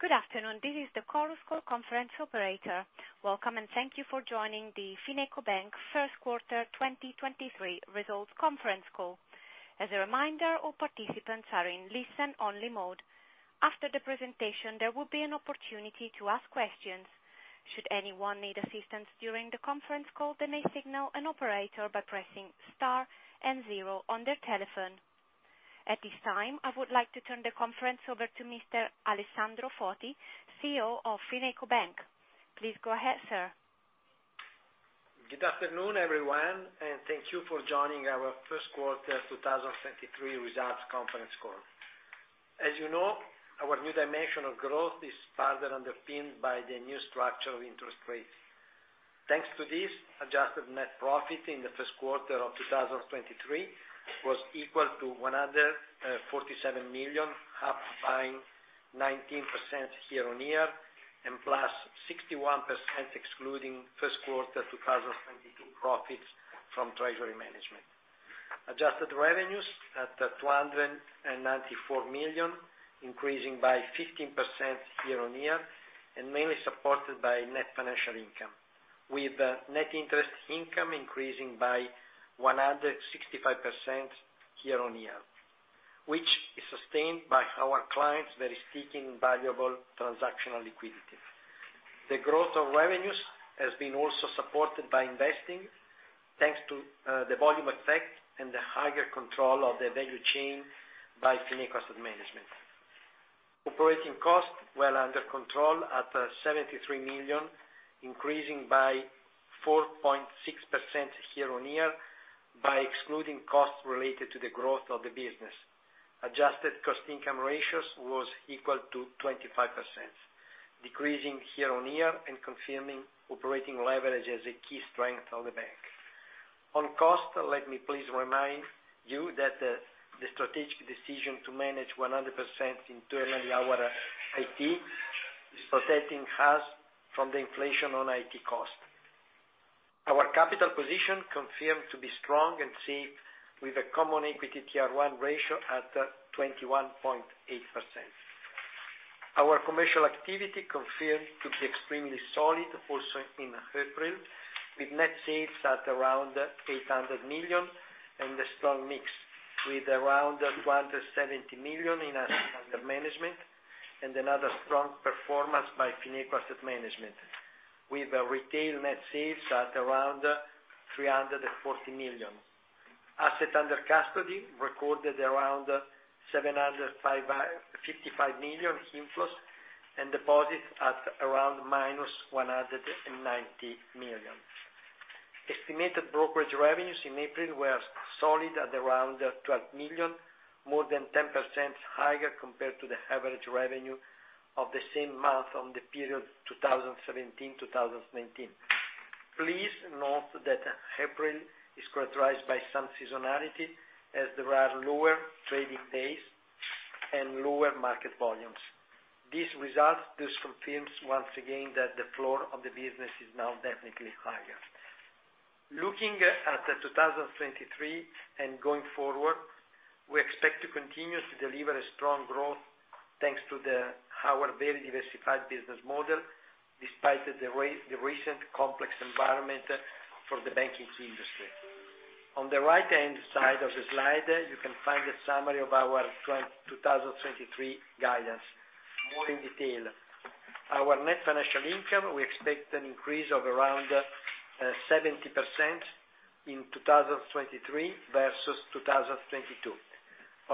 Good afternoon. This is the Chorus Call conference operator. Welcome, and thank you for joining the FinecoBank first quarter 2023 results conference call. As a reminder, all participants are in listen-only mode. After the presentation, there will be an opportunity to ask questions. Should anyone need assistance during the conference call, then they signal an operator by pressing star and zero on their telephone. At this time, I would like to turn the conference over to Mr. Alessandro Foti, CEO of FinecoBank. Please go ahead, sir. Good afternoon, everyone, and thank you for joining our first quarter 2023 results conference call. As you know, our new dimension of growth is further underpinned by the new structure of interest rates. Thanks to this, adjusted net profit in the first quarter of 2023 was equal to 147 million, up by 19% year-on-year and +61% excluding first quarter 2022 profits from treasury management. Adjusted revenues at 294 million, increasing by 15% year-on-year and mainly supported by Net Financial Income, with Net Interest Income increasing by 165% year-on-year, which is sustained by our clients that is seeking valuable transactional liquidity. The growth of revenues has been also supported by investing, thanks to the volume effect and the higher control of the value chain by Fineco's management. Operating costs were under control at 73 million, increasing by 4.6% year-on-year by excluding costs related to the growth of the business. Adjusted cost/income ratios was equal to 25%, decreasing year-on-year and confirming operating leverage as a key strength of the Bank. On cost, let me please remind you that the strategic decision to manage 100% internally our IT is protecting us from the inflation on IT costs. Our capital position confirmed to be strong and safe with a Common Equity Tier 1 ratio at 21.8%. Our commercial activity confirmed to be extremely solid also in April, with net sales at around 800 million and a strong mix with around 170 million in assets under management and another strong performance by Fineco Asset Management with a retail net sales at around 340 million. Assets under custody recorded around 55 million inflows and deposits at around -190 million. Estimated brokerage revenues in April were solid at around 12 million, more than 10% higher compared to the average revenue of the same month on the period 2017, 2019. Please note that April is characterized by some seasonality as there are lower trading days and lower market volumes. This result thus confirms once again that the floor of the business is now definitely higher. Looking at 2023 and going forward, we expect to continue to deliver a strong growth thanks to our very diversified business model, despite the recent complex environment for the banking industry. On the right-hand side of the slide, you can find a summary of our 2023 guidance. More in detail, our Net Financial Income, we expect an increase of around 70% in 2023 versus 2022.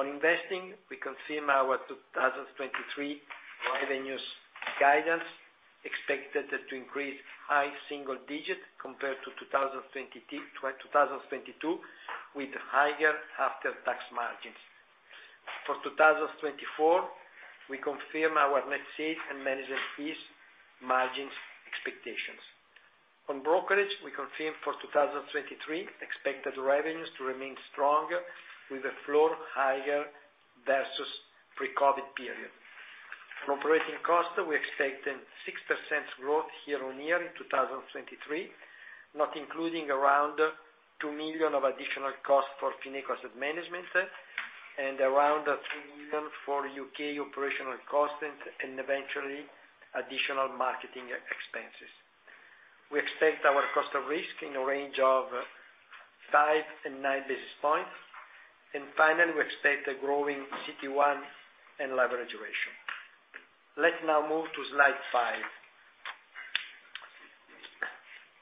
On investing, we confirm our 2023 revenues guidance expected to increase high single digits compared to 2022, with higher after-tax margins. For 2024, we confirm our net sales and management fees margins expectations. On brokerage, we confirm for 2023 expected revenues to remain strong with the floor higher versus pre-COVID period. For operating costs, we expect a 6% growth year-on-year in 2023, not including around 2 million of additional costs for Fineco Asset Management and around 3 million for U.K. operational costs and eventually additional marketing expenses. We expect our cost of risk in the range of 5 and 9 basis points. Finally, we expect a growing CET1 and leverage ratio. Let's now move to slide five.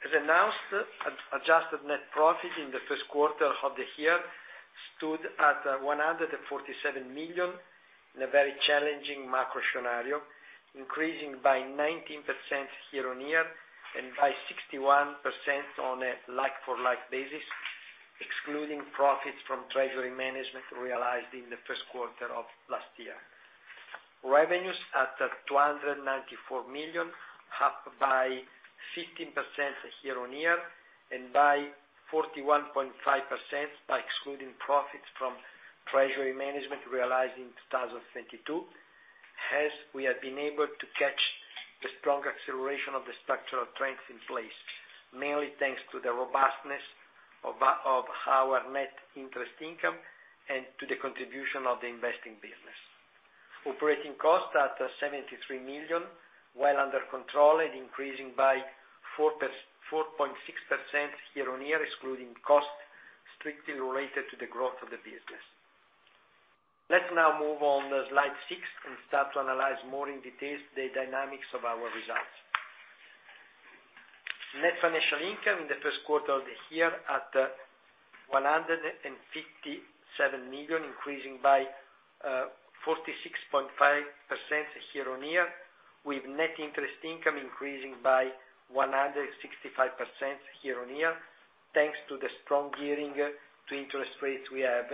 As announced, ad-adjusted net profit in the first quarter of the year stood at 147 million in a very challenging macro scenario, increasing by 19% year-on-year and by 61% on a like-for-like basis, excluding profits from treasury management realized in the first quarter of last year. Revenues at 294 million, up by 15% year-on-year and by 41.5% by excluding profits from treasury management realized in 2022, as we have been able to Strong acceleration of the structural strength in place, mainly thanks to the robustness of our Net Interest Income and to the contribution of the investing business. Operating costs at 73 million, while under control and increasing by 4.6% year-on-year, excluding costs strictly related to the growth of the business. Let's now move on to slide six and start to analyze more in details the dynamics of our results. Net Financial Income in the first quarter of the year at 157 million, increasing by 46.5% year-on-year, with Net Interest Income increasing by 165% year-on-year, thanks to the strong gearing to interest rates we have,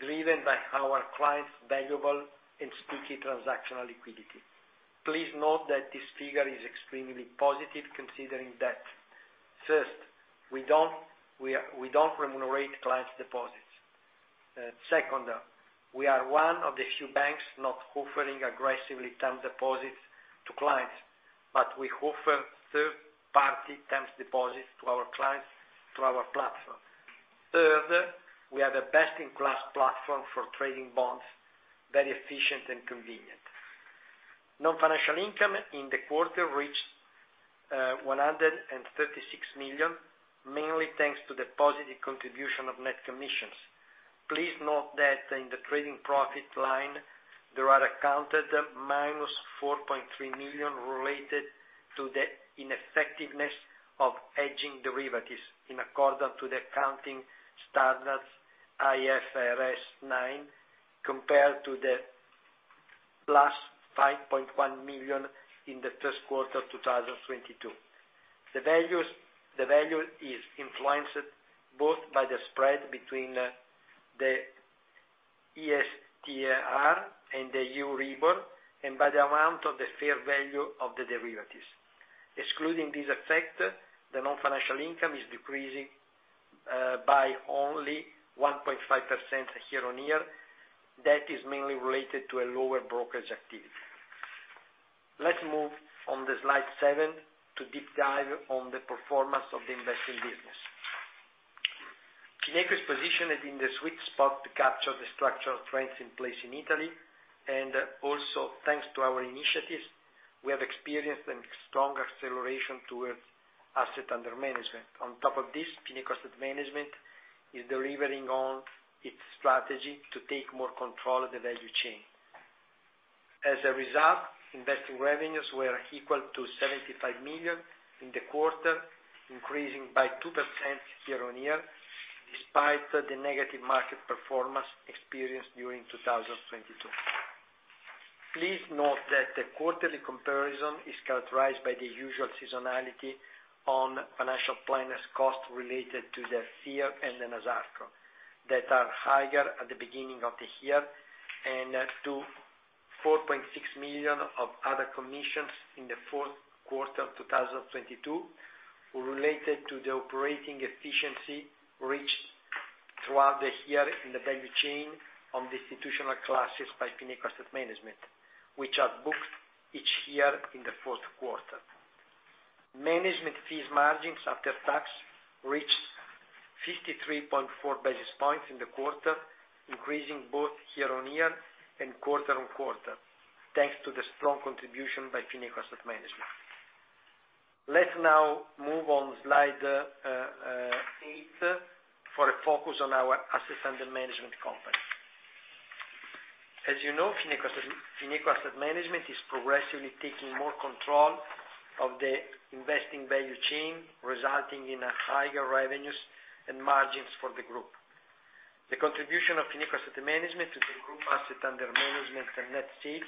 driven by our clients' valuable and sticky transactional liquidity. Please note that this figure is extremely positive considering that, first, we don't remunerate clients' deposits. Second, we are one of the few banks not offering aggressively term deposits to clients, but we offer third-party term deposits to our clients through our platform. Third, we have a best-in-class platform for trading bonds, very efficient and convenient. Non-financial income in the quarter reached 136 million, mainly thanks to the positive contribution of net commissions. Please note that in the trading profit line, there are accounted +4.3 million related to the ineffectiveness of hedging derivatives in accordance to the accounting standards IFRS 9, compared to the +5.1 million in the first quarter of 2022. The value is influenced both by the spread between the €STR and the EURIBOR, and by the amount of the fair value of the derivatives. Excluding this effect, the non-financial income is decreasing by only 1.5% year-on-year. That is mainly related to a lower brokerage activity. Let's move on to slide seven to deep dive on the performance of the investing business. Fineco's position is in the sweet spot to capture the structural trends in place in Italy, and also, thanks to our initiatives, we have experienced a strong acceleration towards asset under management. On top of this, Fineco Asset Management is delivering on its strategy to take more control of the value chain. As a result, investing revenues were equal to 75 million in the quarter, increasing by 2% year-on-year, despite the negative market performance experienced during 2022. Please note that the quarterly comparison is characterized by the usual seasonality on financial planners' costs related to the SIR and the Enasarco that are higher at the beginning of the year, and up to 4.6 million of other commissions in the fourth quarter of 2022 related to the operating efficiency reached throughout the year in the value chain on the institutional classes by Fineco Asset Management, which are booked each year in the fourth quarter. Management fees margins after tax reached 53.4 basis points in the quarter, increasing both year-on-year and quarter-on-quarter, thanks to the strong contribution by Fineco Asset Management. Let's now move on slide eight for a focus on our asset under management company. As you know, Fineco Asset Management is progressively taking more control of the investing value chain, resulting in higher revenues and margins for the group. The contribution of Fineco Asset Management to the group asset under management and net fees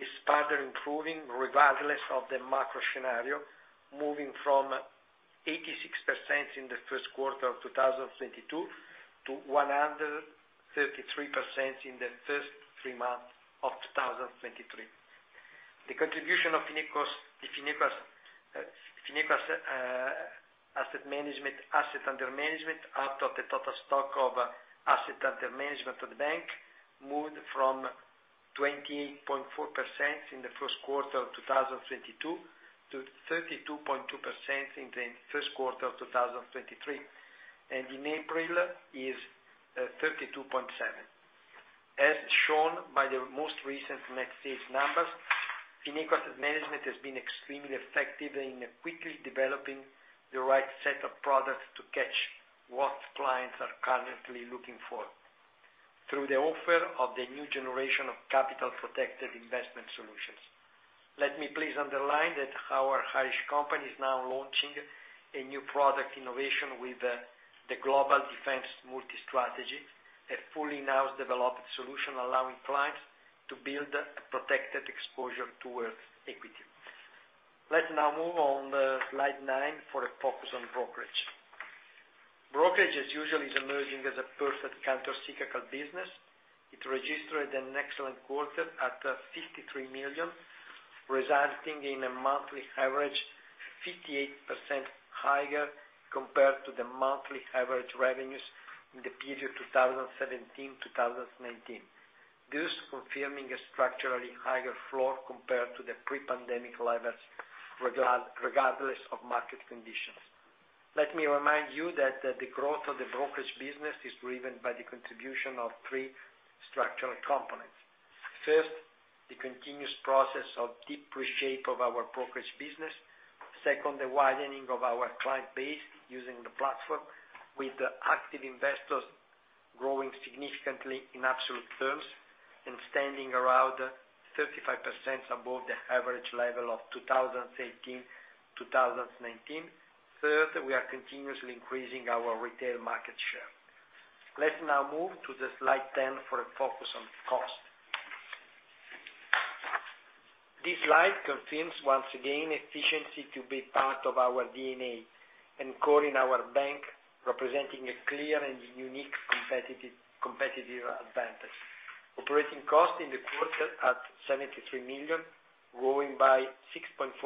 is further improving regardless of the macro scenario, moving from 86% in the first quarter of 2022 to 133% in the first three months of 2023. The contribution of Fineco's Asset Management asset under management out of the total stock of asset under management of the bank moved from 28.4% in the first quarter of 2022 to 32.2% in the first quarter of 2023. In April is 32.7%. As shown by the most recent net sales numbers, Fineco Asset Management has been extremely effective in quickly developing the right set of products to catch what clients are currently looking for through the offer of the new generation of capital-protected investment solutions. Let me please underline that our Irish company is now launching a new product innovation with the Global Defence Multi-Strategy, a fully now developed solution allowing clients to build a protected exposure towards equity. Let's now move on to slide nine for a focus on brokerage. Brokerage as usual is emerging as a perfect counter-cyclical business. It registered an excellent quarter at 53 million, resulting in a monthly average 58% higher compared to the monthly average revenues in the period 2017-2019. This confirming a structurally higher floor compared to the pre-pandemic levels regardless of market conditions. Let me remind you that the growth of the brokerage business is driven by the contribution of three structural components. First, the continuous process of deep reshape of our brokerage business. Second, the widening of our client base using the platform, with the active investors growing significantly in absolute terms and standing around 35% above the average level of 2018, 2019. Third, we are continuously increasing our retail market share. Let's now move to the slide 10 for a focus on cost. This slide confirms once again efficiency to be part of our DNA and core in our bank, representing a clear and unique competitive advantage. Operating costs in the quarter at 73 million, growing by 6.4%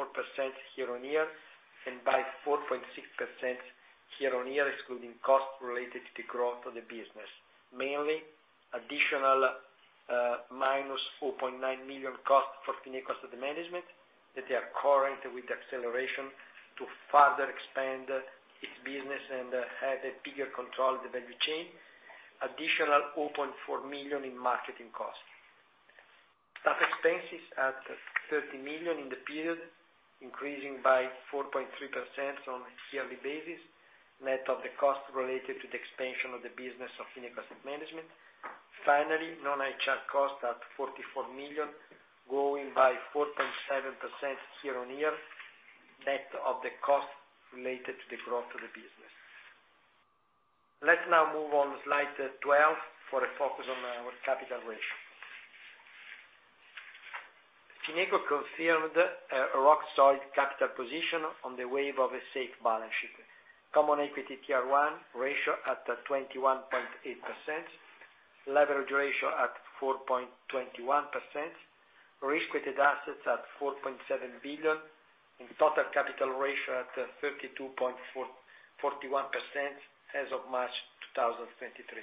year-on-year, and by 4.6% year-on-year, excluding costs related to growth of the business, mainly additional EUR -4.9 million costs for Fineco Asset Management, that they are current with acceleration to further expand its business and have a bigger control of the value chain. Additional 0.4 million in marketing costs. Staff expenses at 30 million in the period, increasing by 4.3% on a yearly basis, net of the costs related to the expansion of the business of Fineco Asset Management. Non-HR costs at 44 million, growing by 4.7% year-on-year, net of the costs related to the growth of the business. Let's now move on to slide 12 for a focus on our capital ratio. Fineco confirmed a rock-solid capital position on the wave of a safe balance sheet. Common Equity Tier 1 ratio at 21.8%, leverage ratio at 4.21%, risk-weighted assets at 4.7 billion, and Total Capital Ratio at 32.41% as of March 2023.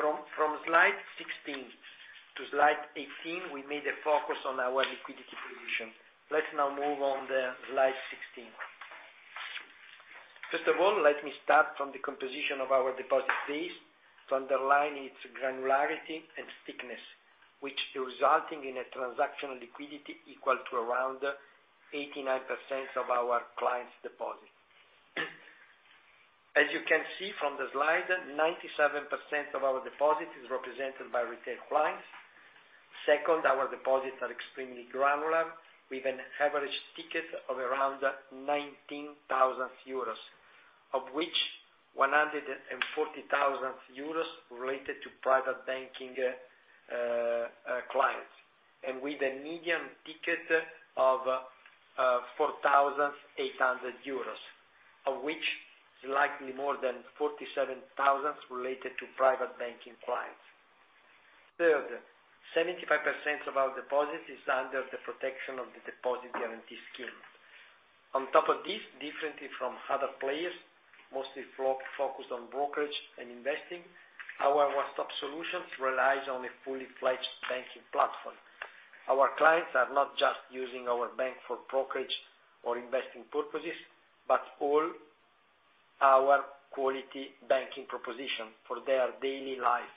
From slide 16 to slide 18, we made a focus on our liquidity position. Let's now move on the slide 16. First of all, let me start from the composition of our deposit base to underline its granularity and thickness, which resulting in a transactional liquidity equal to around 89% of our clients' deposits. As you can see from the slide, 97% of our deposits is represented by retail clients. Second, our deposits are extremely granular, with an average ticket of around 19,000 euros, of which 140,000 euros related to private banking clients, and with a median ticket of 4,800 euros, of which slightly more than 47,000 related to private banking clients. Third, 75% of our deposits is under the protection of the Deposit Guarantee Scheme. On top of this, differently from other players, mostly focused on brokerage and investing, our one-stop solutions relies on a fully-fledged banking platform. Our clients are not just using our bank for brokerage or investing purposes, but all our quality banking proposition for their daily life.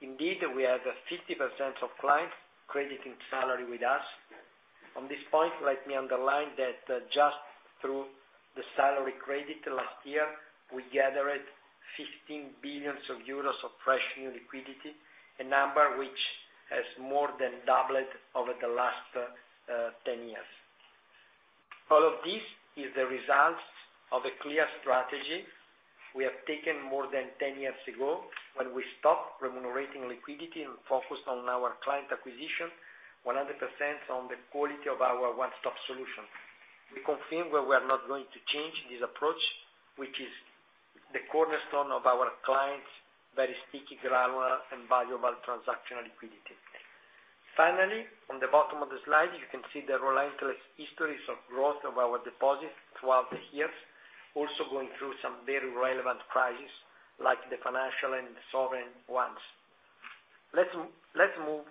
Indeed, we have a 50% of clients crediting salary with us. On this point, let me underline that just through the salary credit last year, we gathered 15 billion euros of fresh new liquidity, a number which has more than doubled over the last 10 years. All of this is the results of a clear strategy we have taken more than 10 years ago, when we stopped remunerating liquidity and focused on our client acquisition 100% on the quality of our one-stop solution. We confirm that we are not going to change this approach, which is the cornerstone of our clients' very sticky, granular and valuable transactional liquidity. On the bottom of the slide, you can see the relentless histories of growth of our deposits throughout the years, also going through some very relevant crises like the financial and sovereign ones. Let's move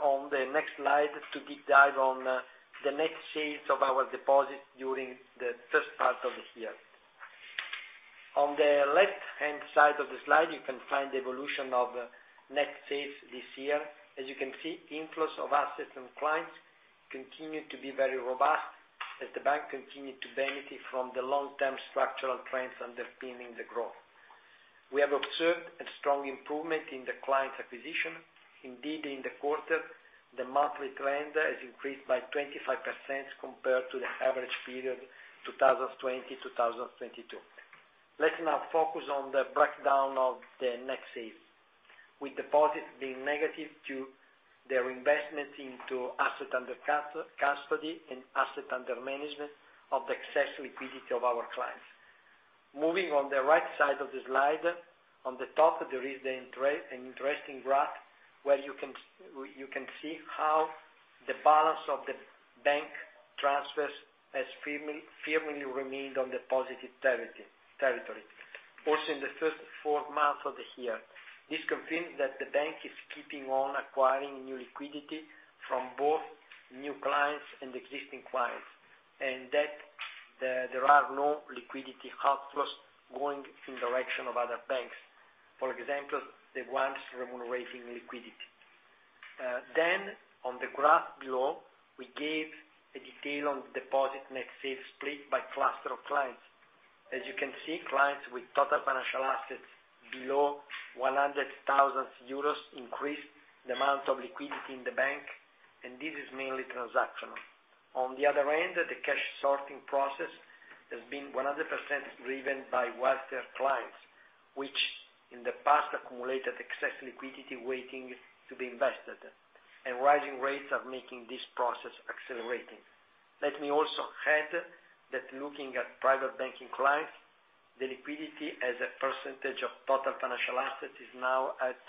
on the next slide to deep dive on the net sales of our deposits during the first part of the year. On the left-hand side of the slide, you can find the evolution of net sales this year. As you can see, inflows of assets from clients continued to be very robust as the bank continued to benefit from the long-term structural trends underpinning the growth. We have observed a strong improvement in the client acquisition. Indeed, in the quarter, the monthly trend has increased by 25% compared to the average period 2020, 2022. Let's now focus on the breakdown of the net sales. With deposits being negative to their investments into asset under custody and asset under management of the excess liquidity of our clients. Moving on the right side of the slide, on the top, there is an interesting graph where you can see how the balance of the bank transfers has firmly remained on the positive territory, also in the first four months of the year. This confirms that the bank is keeping on acquiring new liquidity from both new clients and existing clients, and that there are no liquidity outflows going in direction of other banks. For example, the ones remunerating liquidity. On the graph below, we gave a detail on deposit net sales split by cluster of clients. As you can see, clients with total financial assets below 100,000 euros increased the amount of liquidity in the bank, and this is mainly transactional. On the other end, the cash sorting process has been 100% driven by wealthier clients, which in the past accumulated excess liquidity waiting to be invested, and rising rates are making this process accelerating. Let me also add that looking at private banking clients, the liquidity as a percentage of total financial assets is now at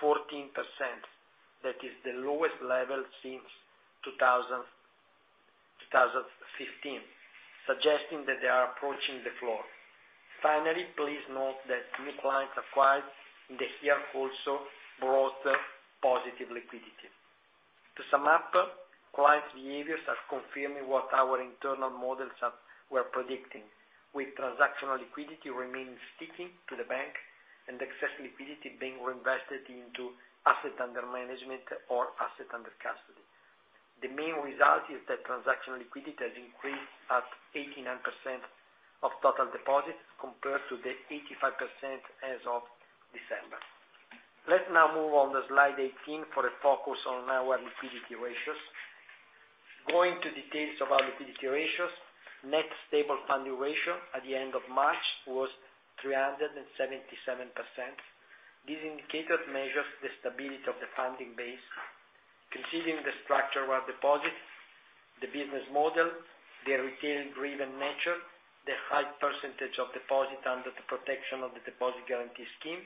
14%. That is the lowest level since 2015, suggesting that they are approaching the floor. Finally, please note that new clients acquired in the year also brought positive liquidity. To sum up, clients' behaviors are confirming what our internal models are, were predicting. With transactional liquidity remaining sticky to the bank and excess liquidity being reinvested into asset under management or asset under custody. The main result is that transactional liquidity has increased at 89% of total deposits compared to the 85% as of December. Let's now move on to slide 18 for a focus on our liquidity ratios. Going to details of our liquidity ratios, Net Stable Funding Ratio at the end of March was 377%. This indicator measures the stability of the funding base. Considering the structure of our deposits, the business model, the retail-driven nature, the high percentage of deposit under the protection of the Deposit Guarantee Scheme,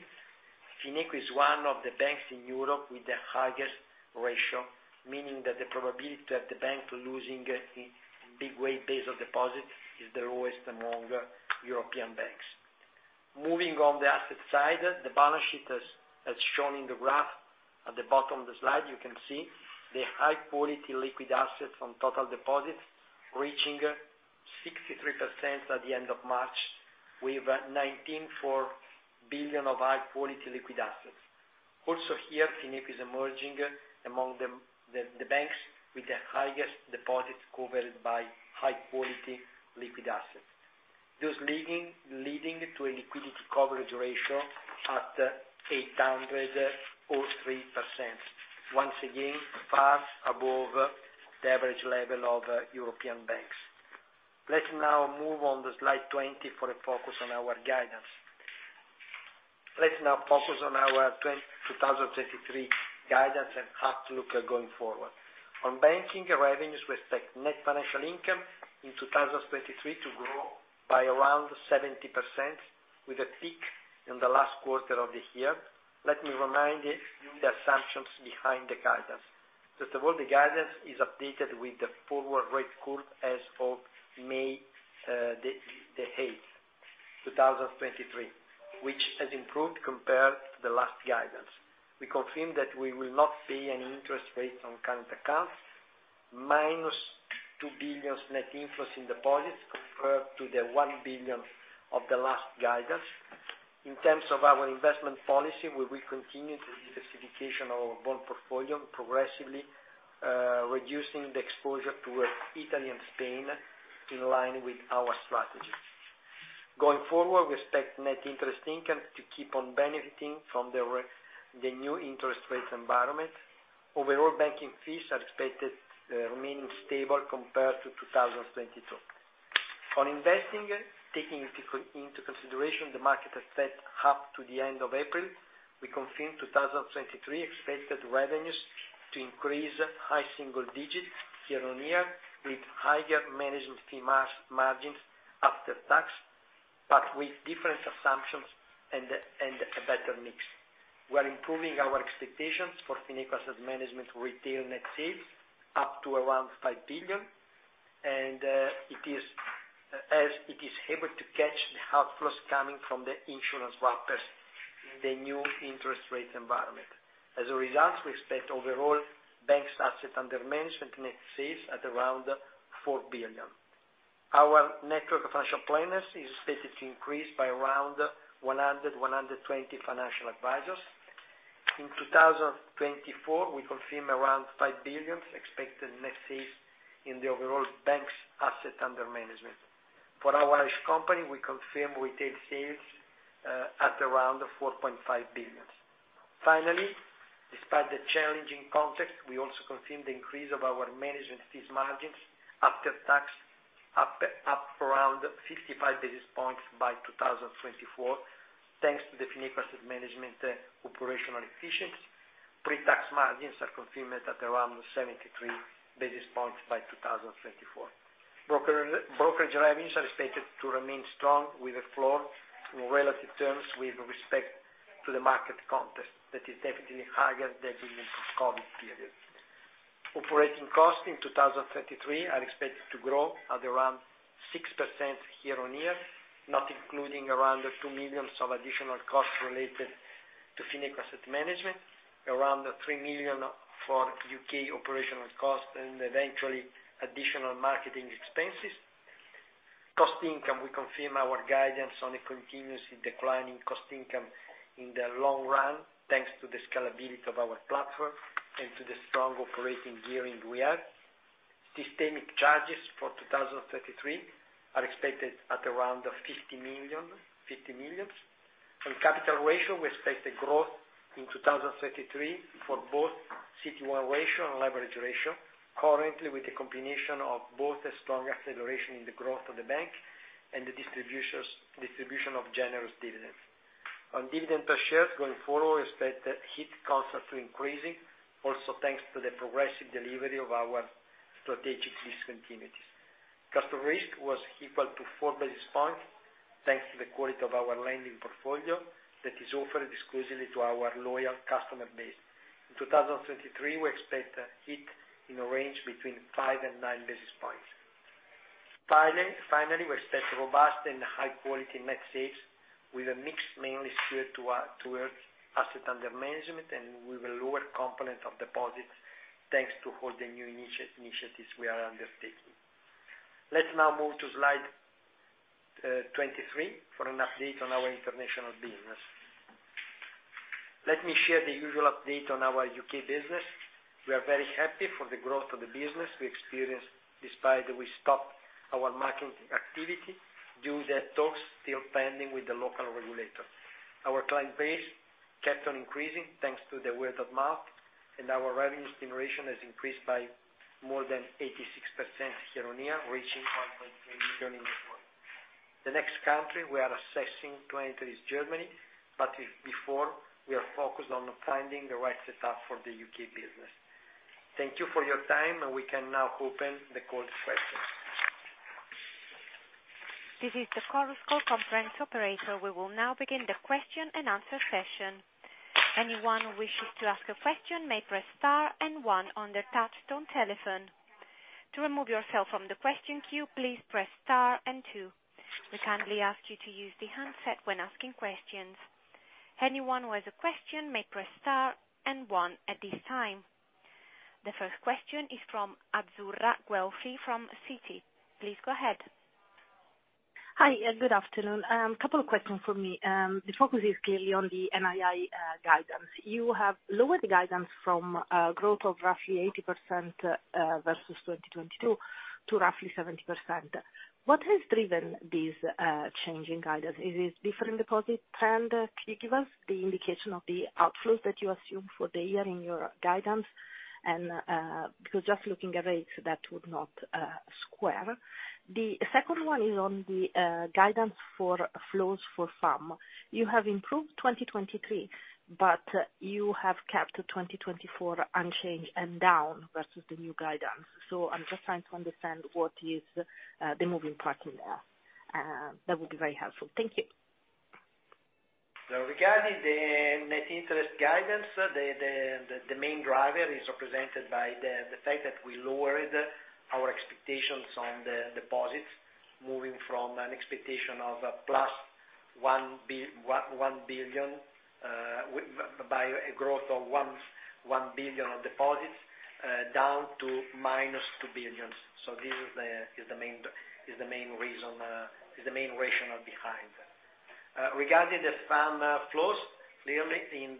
Fineco is one of the banks in Europe with the highest ratio, meaning that the probability of the bank losing a big weight base of deposit is the lowest among European banks. Moving on the asset side, the balance sheet as shown in the graph at the bottom of the slide, you can see the High-Quality Liquid Assets from total deposits reaching 63% at the end of March. We've 19.4 billion of High-Quality Liquid Assets. Also here, Fineco is emerging among the banks with the highest deposits covered by High-Quality Liquid Assets. Thus leading to a Liquidity Coverage Ratio at 803%. Once again, far above the average level of European banks. Let's now move on to slide 20 for a focus on our guidance. Let's now focus on our 2023 guidance and outlook going forward. On banking revenues, we expect Net Financial Income in 2023 to grow by around 70% with a peak in the last quarter of the year. Let me remind you the assumptions behind the guidance. First of all, the guidance is updated with the forward rate curve as of May 8th, 2023, which has improved compared to the last guidance. We confirm that we will not pay any interest rates on current accounts, -2 billion net inflows in deposits compared to the 1 billion of the last guidance. In terms of our investment policy, we will continue the diversification of our bond portfolio, progressively reducing the exposure towards Italy and Spain in line with our strategy. Going forward, we expect Net Interest Income to keep on benefiting from the new interest rate environment. Overall banking fees are expected remaining stable compared to 2022. On investing, taking into consideration the market asset up to the end of April, we confirm 2023 expected revenues to increase high single digits year-on-year with higher management fee margins after tax, but with different assumptions and a better mix. We are improving our expectations for Fineco Asset Management retail net sales up to around 5 billion, as it is able to catch the outflows coming from the insurance wrappers in the new interest rate environment. As a result, we expect overall banks asset under management net sales at around 4 billion. Our network of financial planners is expected to increase by around 120 financial advisors. In 2024, we confirm around 5 billion expected net sales in the overall banks asset under management. For our Irish company, we confirm retail sales at around 4.5 billion. Finally, despite the challenging context, we also confirm the increase of our management fees margins after tax up around 55 basis points by 2024, thanks to the Fineco Asset Management operational efficiency. Pre-tax margins are confirmed at around 73 basis points by 2024. Brokerage revenues are expected to remain strong with a floor in relative terms with respect to the market context that is definitely higher than in the Covid period. Operating costs in 2023 are expected to grow at around 6% year-on-year, not including around 2 million of additional costs related to Fineco Asset Management, around 3 million for U.K. operational costs and eventually additional marketing expenses. cost/income, we confirm our guidance on a continuously declining cost/income in the long run, thanks to the scalability of our platform and to the strong operating gearing we have. Systemic charges for 2023 are expected at around 50 million. On capital ratio, we expect a growth in 2023 for both CET1 ratio and leverage ratio, currently with a combination of both a strong acceleration in the growth of the bank and the distribution of generous dividends. On dividend per share going forward, we expect it to hit constantly increasing, also thanks to the progressive delivery of our strategic discontinuities. Customer risk was equal to 4 basis points, thanks to the quality of our lending portfolio that is offered exclusively to our loyal customer base. In 2023, we expect it to hit in a range between 5 and 9 basis points. Finally, we expect robust and high quality net sales with a mix mainly skewed towards asset under management and with a lower component of deposits, thanks to all the new initiatives we are undertaking. Let's now move to slide 23 for an update on our international business. Let me share the usual update on our U.K. business. We are very happy for the growth of the business we experienced despite we stopped our marketing activity due to talks still pending with the local regulator. Our client base kept on increasing thanks to the word of mouth, and our revenues generation has increased by more than 86% year-on-year, reaching 1.3 million in Q1. The next country we are assessing to enter is Germany, but if before, we are focused on finding the right setup for the U.K. business. Thank you for your time, and we can now open the call to questions. This is the Chorus Call conference operator. We will now begin the question and answer session. Anyone wishing to ask a question may press star and one on their touchtone telephone. To remove yourself from the question queue, please press star and two. We kindly ask you to use the handset when asking questions. Anyone who has a question may press star and one at this time. The first question is from Azzurra Guelfi from Citi. Please go ahead. Hi, good afternoon. Couple of questions from me. The focus is clearly on the NII guidance. You have lowered the guidance from growth of roughly 80% versus 2022 to roughly 70%. What has driven this change in guidance? Is it different deposit trend? Can you give us the indication of the outflows that you assume for the year in your guidance? Because just looking at rates, that would not square. The second one is on the guidance for flows for FAM. You have improved 2023, but you have kept 2024 unchanged and down versus the new guidance. I'm just trying to understand what is the moving part in there. That would be very helpful. Thank you. Regarding the Net Interest guidance, the main driver is represented by the fact that we lowered our expectations on the deposits, moving from an expectation of a +1 billion, by a growth of 1 billion of deposits, down to -2 billion. This is the main reason, is the main rationale behind. Regarding the FAM flows, clearly in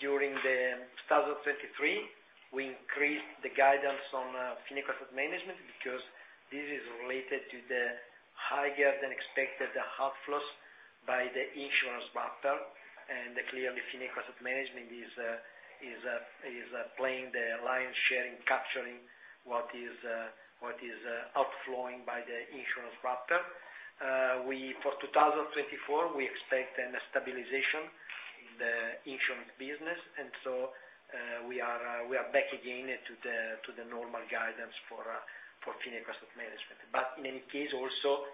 2023, we increased the guidance on Fineco Asset Management because this is related to the higher than expected outflows by the insurance partner. Clearly, Fineco Asset Management is playing the lion's share in capturing what is outflowing by the insurance partner. We, for 2024, we expect a stabilization in the insurance business. We are back again to the normal guidance for Fineco Asset Management. In any case, also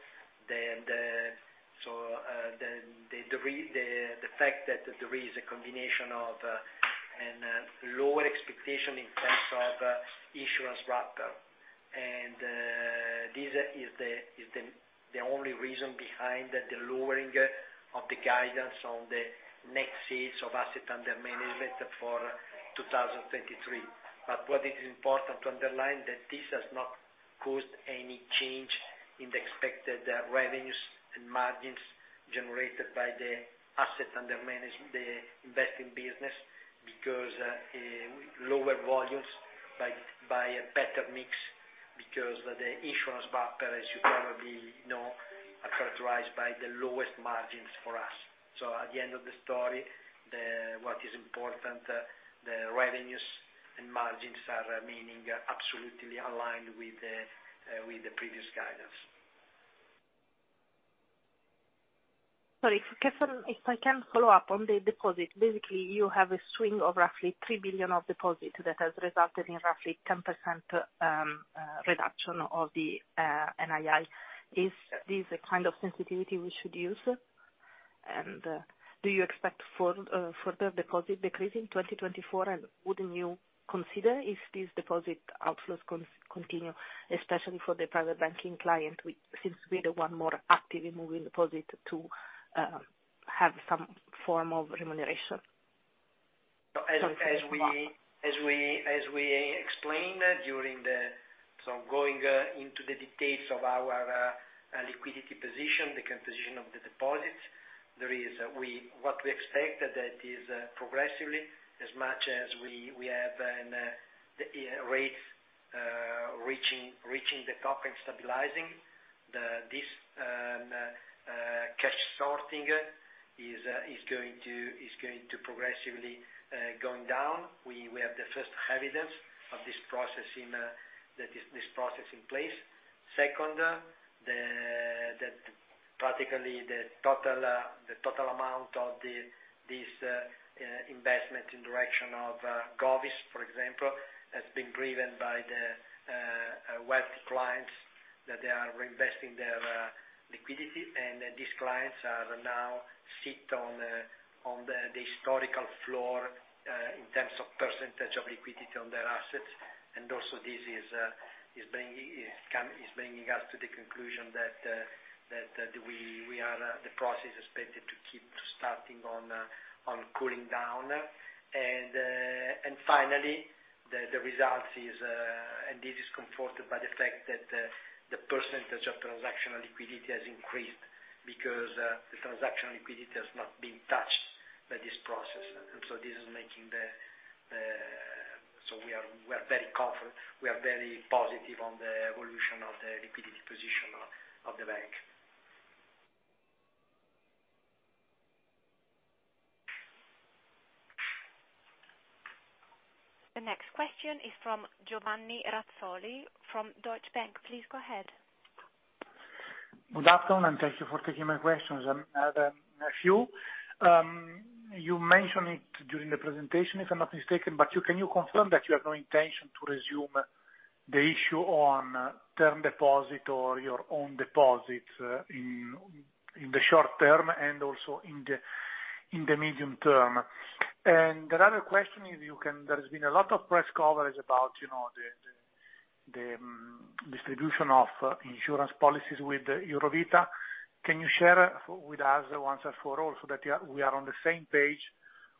the so the fact that there is a combination of an lower expectation in terms of insurance partner. This is the only reason behind the lowering of the guidance on the net sales of asset under management for 2023. What is important to underline that this has not caused any change in the expected revenues and margins generated by the investing business because lower volumes by a better mix, because the insurance partner, as you probably know, are characterized by the lowest margins for us. At the end of the story, what is important, the revenues and margins are remaining absolutely aligned with the previous guidance. Sorry, if I can follow up on the deposit. Basically, you have a swing of roughly 3 billion of deposit that has resulted in roughly 10% reduction of the NII. Is this the kind of sensitivity we should use? Do you expect further deposit decrease in 2024? Wouldn't you consider if these deposit outflows continue, especially for the private banking client, we, seems to be the one more actively moving deposit to have some form of remuneration? As we explained during the, going into the details of our liquidity position, the composition of the deposits, there is, we, what we expect that is progressively, as much as we have the rates reaching the top and stabilizing, this cash sorting is going to progressively going down. We have the first evidence of this process in that this process in place. Second, practically the total amount of this investment in direction of govies, for example, has been driven by the wealthy clients that they are reinvesting their liquidity. These clients are now sit on the historical floor in terms of percentage of liquidity on their assets. Also this is bringing us to the conclusion that the process is expected to keep starting on cooling down. Finally, the results is, and this is comforted by the fact that the percentage of transactional liquidity has increased because the transactional liquidity has not been touched by this process. So this is making the. So we are very comfort, we are very positive on the evolution of the liquidity position of the bank. The next question is from Giovanni Razzoli from Deutsche Bank. Please go ahead. Good afternoon. Thank you for taking my questions. I have a few. You mentioned it during the presentation, if I'm not mistaken, can you confirm that you have no intention to resume the issue on term deposit or your own deposits in the short term and also in the medium term? The other question is, there has been a lot of press coverage about, you know, the distribution of insurance policies with Eurovita. Can you share with us once and for all so that we are on the same page,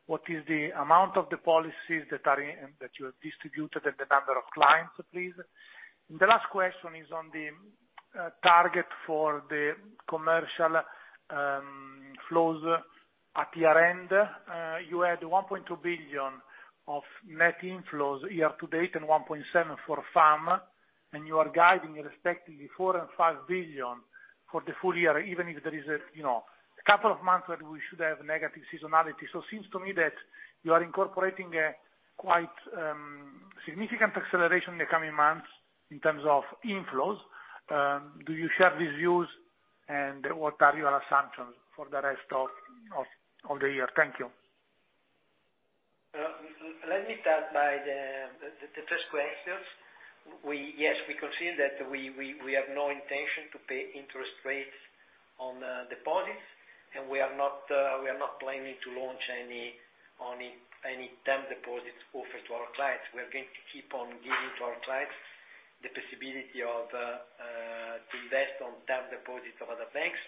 what is the amount of the policies that you have distributed and the number of clients, please? The last question is on the target for the commercial flows at year-end. You had 1.2 billion of net inflows year to date and 1.7 billion for FAM, you are guiding respectively 4 billion and 5 billion for the full year, even if there is a, you know, a couple of months that we should have negative seasonality. Seems to me that you are incorporating a quite significant acceleration in the coming months in terms of inflows. Do you share these views, and what are your assumptions for the rest of the year? Thank you. Let me start by the first questions. We, yes, we confirm that we have no intention to pay interest rates on deposits, we are not planning to launch any term deposits offered to our clients. We are going to keep on giving to our clients the possibility of to invest on term deposits of other banks.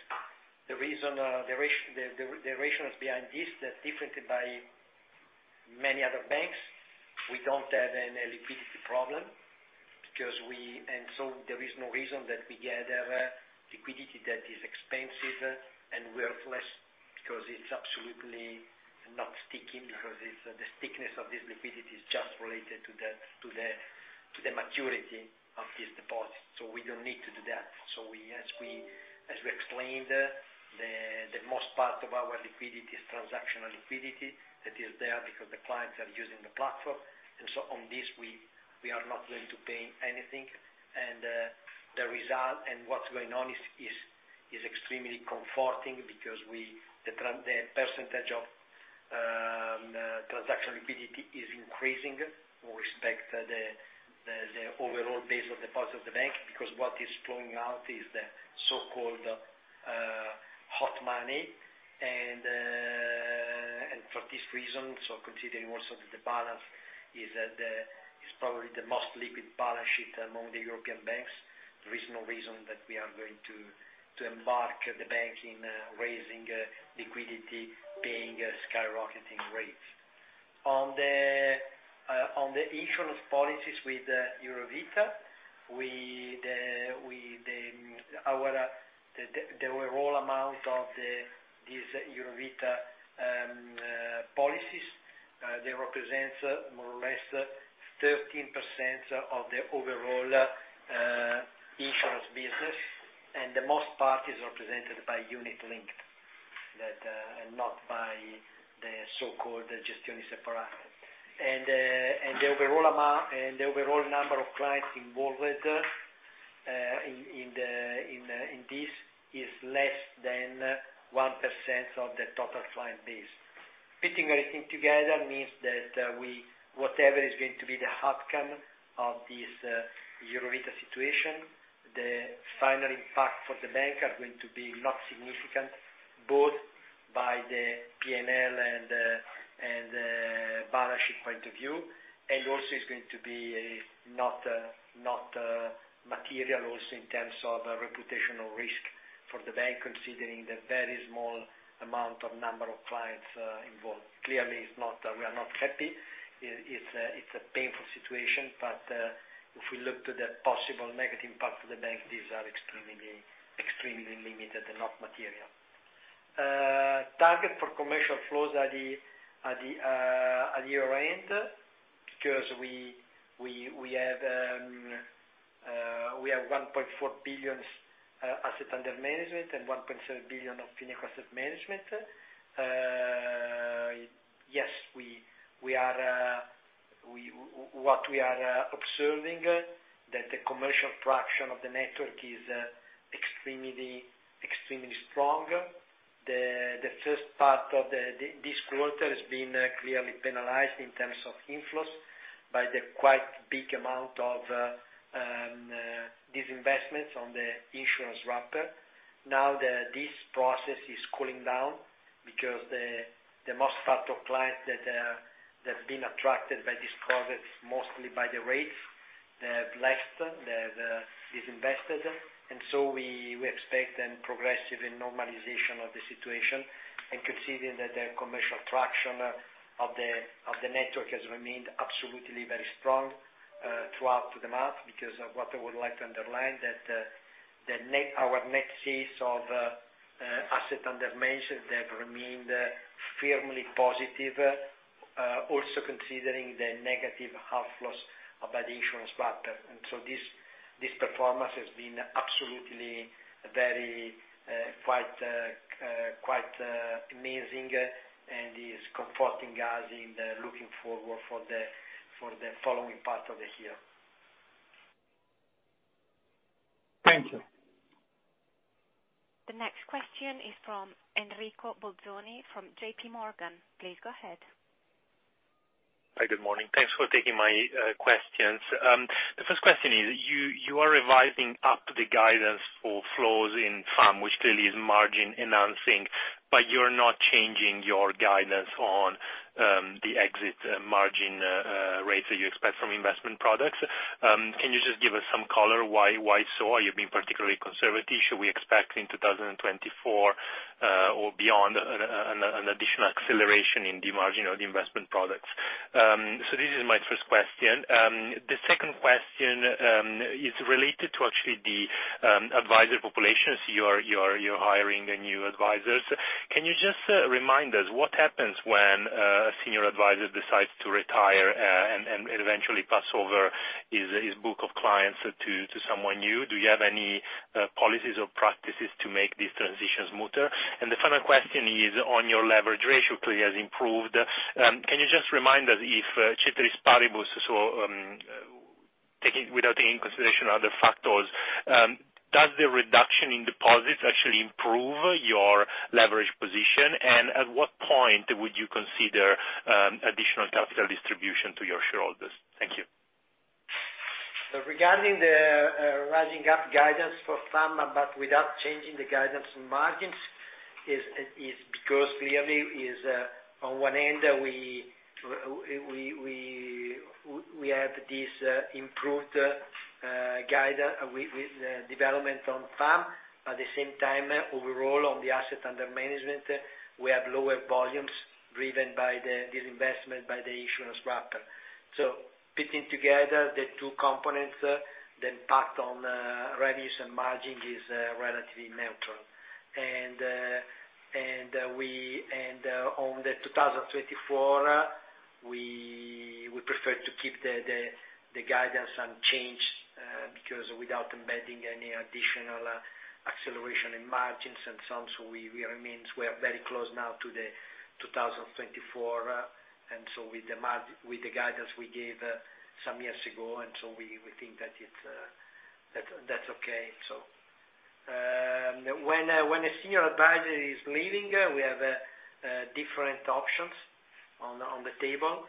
The reason, the rationale behind this, that differently by many other banks, we don't have any liquidity problem because we, there is no reason that we gather liquidity that is expensive and worthless because it's absolutely not sticking, because the stickiness of this liquidity is just related to the maturity of this deposit. we don't need to do that. We, as we explained, the most part of our liquidity is transactional liquidity that is there because the clients are using the platform. On this, we are not going to pay anything. The result and what's going on is extremely comforting because the percentage of transaction liquidity is increasing with respect to the overall base of deposits of the bank, because what is flowing out is the so-called hot money. For this reason, considering also that the balance is the is probably the most liquid balance sheet among the European banks, there is no reason that we are going to embark the bank in raising liquidity, paying skyrocketing rates. On the insurance policies with Eurovita, our overall amount of this Eurovita policies, they represent more or less 13% of the overall insurance business, and the most part is represented by unit linked, and not by the so-called Gestione Separata. The overall amount, and the overall number of clients involved in this is less than 1% of the total client base. Fitting everything together means that whatever is going to be the outcome of this Euribor situation, the final impact for the bank are going to be not significant, both by the PNL and balance sheet point of view, and also is going to be not material also in terms of reputational risk for the bank, considering the very small amount of number of clients involved. Clearly, it's not, we are not happy. It's a painful situation. If we look to the possible negative parts of the bank, these are extremely limited and not material. Target for commercial flows at year-end, because we have 1.4 billion assets under management and 1.7 billion of asset management. Yes, we are what we are observing that the commercial traction of the network is extremely strong. The first part of this quarter has been clearly penalized in terms of inflows by the quite big amount of disinvestment on the insurance wrapper. Now this process is cooling down because the most part of clients that have been attracted by these products, mostly by the rates, they have left, they have disinvested. We expect then progressive normalization of the situation. Considering that the commercial traction of the network has remained absolutely very strong throughout the month because of what I would like to underline that our nexus of asset under management have remained firmly positive also considering the negative outflows by the insurance partner. This performance has been absolutely very, quite amazing and is comforting us in the looking forward for the following part of the year. Thank you. The next question is from Enrico Bolzoni from JPMorgan. Please go ahead. Hi, good morning. Thanks for taking my questions. The first question is you are revising up the guidance for flows in FAM, which clearly is margin enhancing, but you're not changing your guidance on the exit margin rates that you expect from investment products. Can you just give us some color why so? Are you being particularly conservative? Should we expect in 2024 or beyond an additional acceleration in the margin or the investment products? This is my first question. The second question is related to actually the advisor populations. You are hiring new advisors. Can you just remind us what happens when a senior advisor decides to retire and eventually pass over his book of clients to someone new? Do you have any policies or practices to make these transitions smoother? The final question is on your leverage ratio, clearly has improved. Can you just remind us if ceteris paribus, so without taking into consideration other factors, does the reduction in deposits actually improve your leverage position? At what point would you consider additional capital distribution to your shareholders? Thank you. Regarding the rising up guidance for FAM, Without changing the guidance on margins is because clearly is on one end we have this improved guidance with the development on FAM. At the same time, overall on the assets under management, we have lower volumes driven by the disinvestment by the insurance wrapper. Putting together the two components, the impact on revenues and margin is relatively neutral. On the 2024, we would prefer to keep the guidance unchanged because without embedding any additional acceleration in margins and so we remains. We are very close now to the 2024, and so with the guidance we gave some years ago, and so we think that it's that's that's okay. When a senior advisor is leaving, we have different options on the table.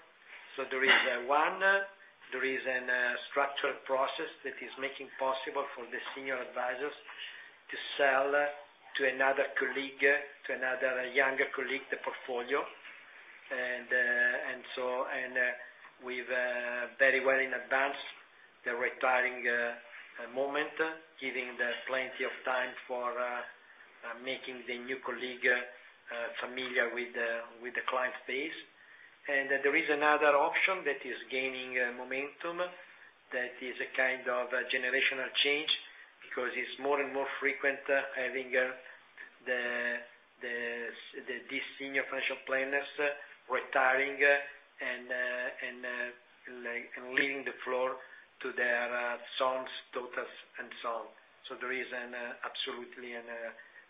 There is one. There is an structural process that is making possible for the senior advisors to sell to another colleague, to another younger colleague, the portfolio. And so, and, with very well in advance the retiring moment, giving the plenty of time for making the new colleague familiar with the client base. There is another option that is gaining momentum that is a kind of a generational change because it's more and more frequent having these senior financial planners retiring and leaving the floor to their sons, daughters, and so on. There is absolutely a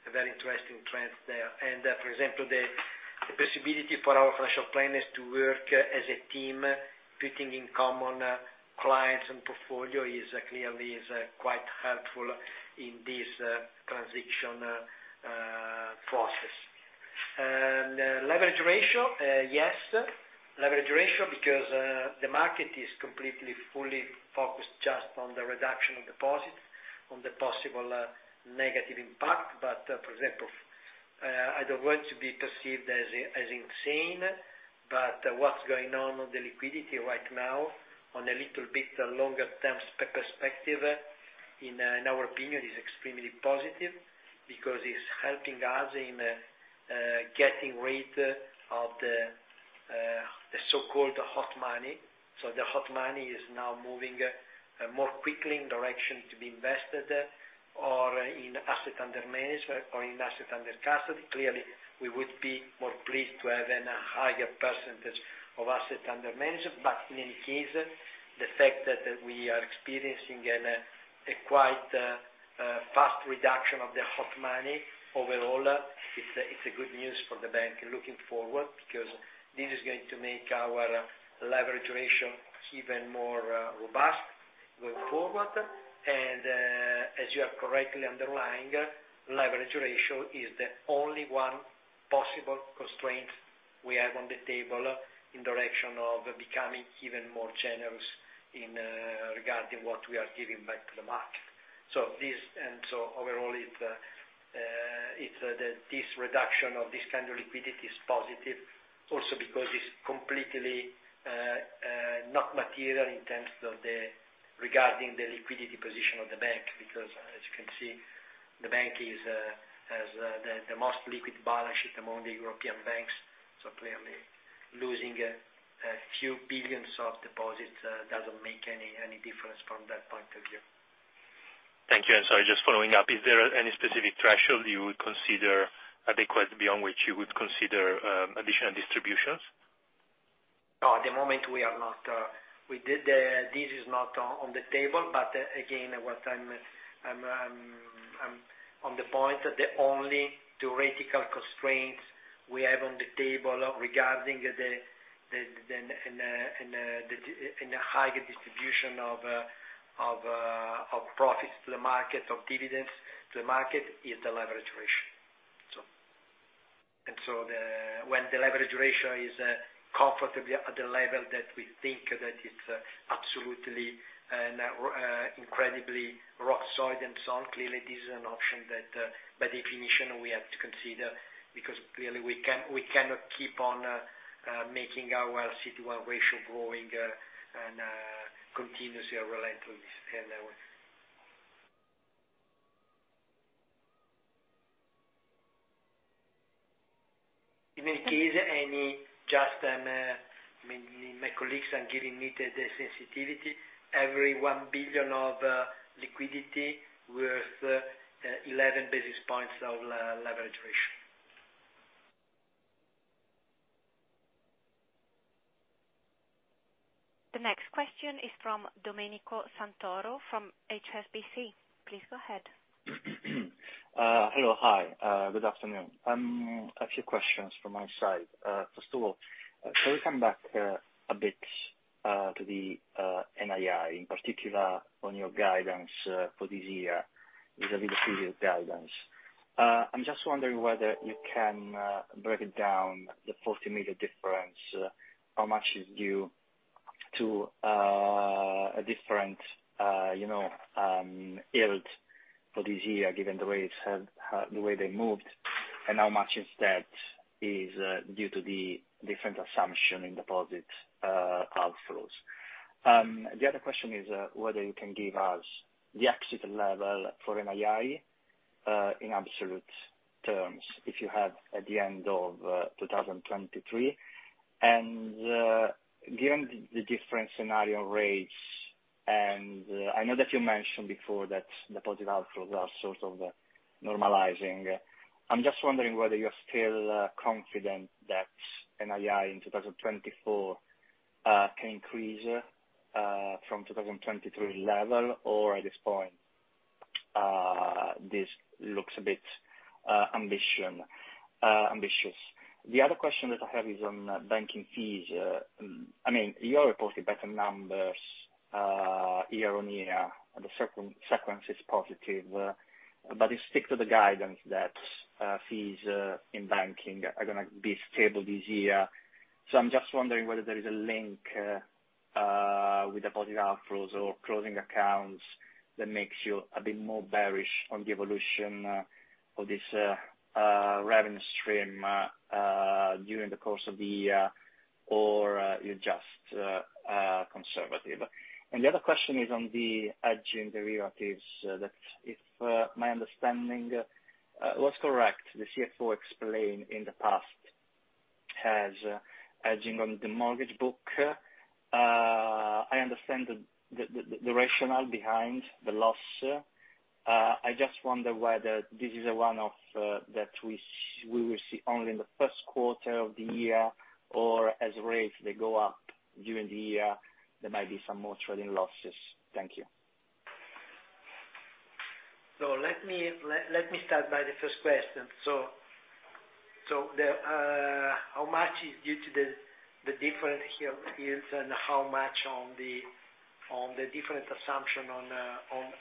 very interesting trend there. For example, the possibility for our financial planners to work as a team, putting in common clients and portfolio is clearly quite helpful in this transition process. Leverage ratio, yes. Leverage ratio because the market is completely, fully focused just on the reduction of deposits on the possible negative impact. For example, I don't want to be perceived as insane, but what's going on on the liquidity right now on a little bit longer term perspective, in our opinion, is extremely positive because it's helping us in getting rid of the so-called hot money. The hot money is now moving more quickly in direction to be invested or in asset under management or in asset under custody. Clearly, we would be more pleased to have a higher percentage of assets under management. In any case, the fact that we are experiencing a quite fast reduction of the hot money overall, it's a good news for the bank looking forward, because this is going to make our leverage ratio even more robust going forward. As you are correctly underlying, leverage ratio is the only one possible constraint we have on the table in direction of becoming even more generous in regarding what we are giving back to the market. This, overall, it's this reduction of this kind of liquidity is positive also because it's completely not material in terms of regarding the liquidity position of the bank. Because as you can see, the bank is has the most liquid balance sheet among the European banks, so clearly losing a few billions of deposits doesn't make any difference from that point of view. Thank you. Sorry, just following up. Is there any specific threshold you would consider adequate, beyond which you would consider, additional distributions? No, at the moment we are not, this is not on the table. Again, what I'm on the point, the only theoretical constraints we have on the table regarding the, the, and the, in the higher distribution of profits to the market, of dividends to the market is the leverage ratio. When the leverage ratio is comfortably at the level that we think that it's absolutely incredibly rock solid and so on, clearly this is an option that by definition we have to consider, because clearly we can, we cannot keep on making our CET1 ratio growing and continuously or relentlessly. In any case, any just, I mean, my colleagues are giving me the sensitivity. Every 1 billion of liquidity worth 11 basis points of leverage ratio. The next question is from Domenico Santoro from HSBC. Please go ahead. Hello. Hi. Good afternoon. A few questions from my side. First of all, can we come back a bit to the NII, in particular on your guidance for this year vis-a-vis the previous guidance? I'm just wondering whether you can break it down the 40 million difference, how much is due to a different, you know, yield for this year, given the way it's the way they moved, and how much instead is due to the different assumption in deposit outflows? The other question is whether you can give us the exit level for NII, in absolute terms, if you have, at the end of 2023? Given the difference in annual rates, I know that you mentioned before that deposit outflows are sort of normalizing. I'm just wondering whether you're still confident that NII in 2024 can increase from 2023 level or at this point, this looks a bit ambitious. The other question that I have is on banking fees. I mean, you are reporting better numbers year-on-year. The sequence is positive, but you stick to the guidance that fees in banking are gonna be stable this year. I'm just wondering whether there is a link with deposit outflows or closing accounts that makes you a bit more bearish on the evolution of this revenue stream during the course of the year or you're just conservative? The other question is on the hedging derivatives. That if my understanding was correct, the CFO explained in the past as hedging on the mortgage book. I understand the rationale behind the loss. I just wonder whether this is a one-off that we will see only in the first quarter of the year or as rates, they go up during the year, there might be some more trading losses. Thank you. Let me start by the first question. How much is due to the different yields, and how much on the different assumption on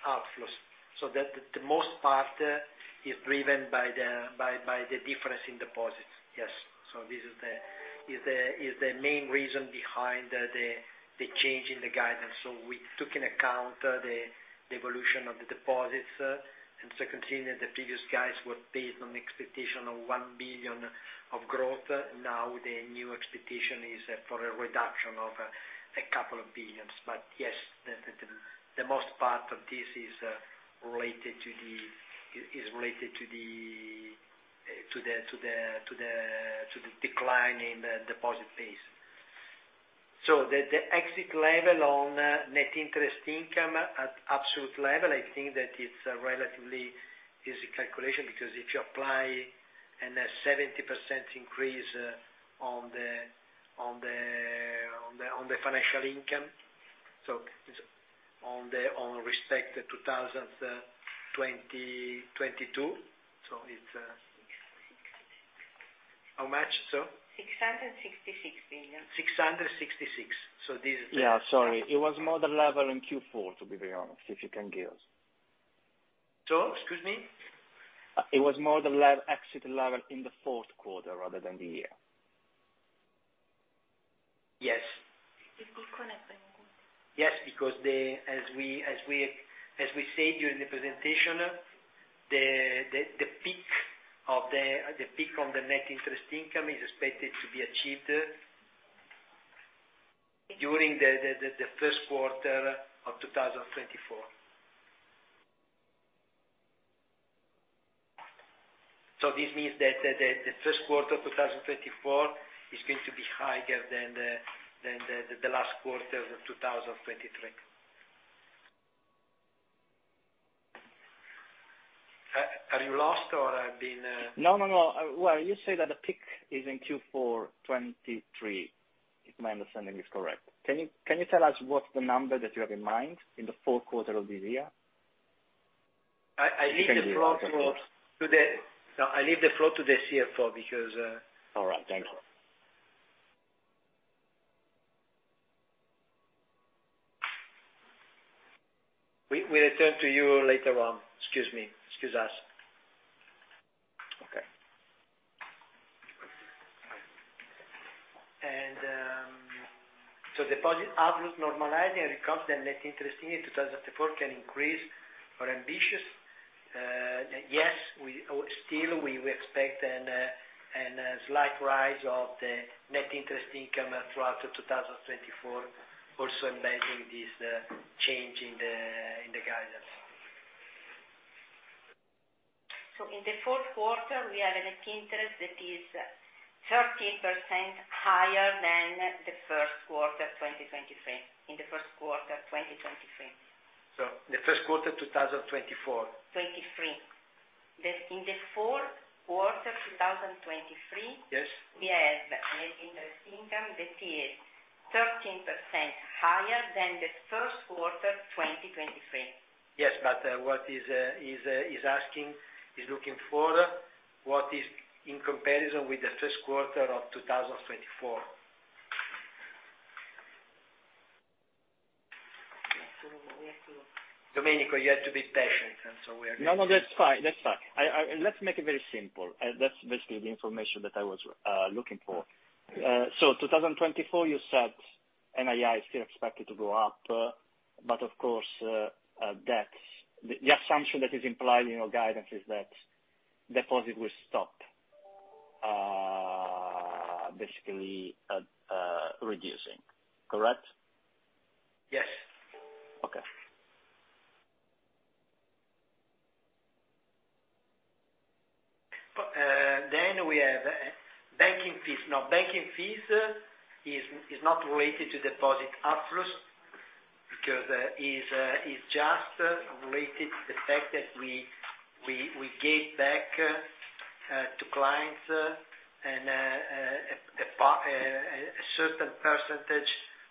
outflows. The most part is driven by the difference in deposits. Yes. This is the main reason behind the change in the guidance. We took in account the evolution of the deposits. Second thing, the previous guides were based on the expectation of 1 billion of growth. Now, the new expectation is for a reduction of 2 billion. Yes, the most part of this is related to the decline in the deposit base. The exit level on Net Interest Income at absolute level, I think that it's a relatively easy calculation because if you apply an 70% increase on financial income, respect to 2022. 666 billion. How much, sorry? 666 billion. 666. So this is the, yeah, sorry. It was more the level in Q4, to be very honest, if you can give. Excuse me. It was more the exit level in the fourth quarter rather than the year. Yes, because as we said during the presentation, the peak on the Net Interest Income is expected to be achieved during the first quarter of 2024. This means that the first quarter of 2024 is going to be higher than the last quarter of 2023. Are you lost or I've been? No, no. you say that the peak is in Q4 2023, if my understanding is correct. Can you tell us what's the number that you have in mind in the fourth quarter of this year? I leave the floor to No, I leave the floor to the CFO because. All right, thank you. We'll return to you later on. Excuse me. Excuse us. Okay. Deposit outlook normalizing and recovery of net interest in 2024 can increase our ambitions. Yes, still we expect a slight rise of the Net Interest Income throughout 2024, also embedding this change in the guidance. In the fourth quarter, we have a net interest that is 13% higher than the first quarter 2023. The first quarter of 2024. 2023. The, in the fourth quarter 2023. Yes. We have Net Interest Income that is 13% higher than the first quarter 2023. Yes, what is asking, is looking for, what is in comparison with the first quarter of 2024. Domenico, you have to be patient. No, no, that's fine. That's fine. Let's make it very simple. That's basically the information that I was looking for. 2024, you said NII is still expected to go up. Of course, that's the assumption that is implied in your guidance is that deposit will stop, basically, reducing. Correct? Yes. Okay. Then we have banking fees. Banking fees is not related to deposit outflows because is just related to the fact that we gave back to clients a certain percentage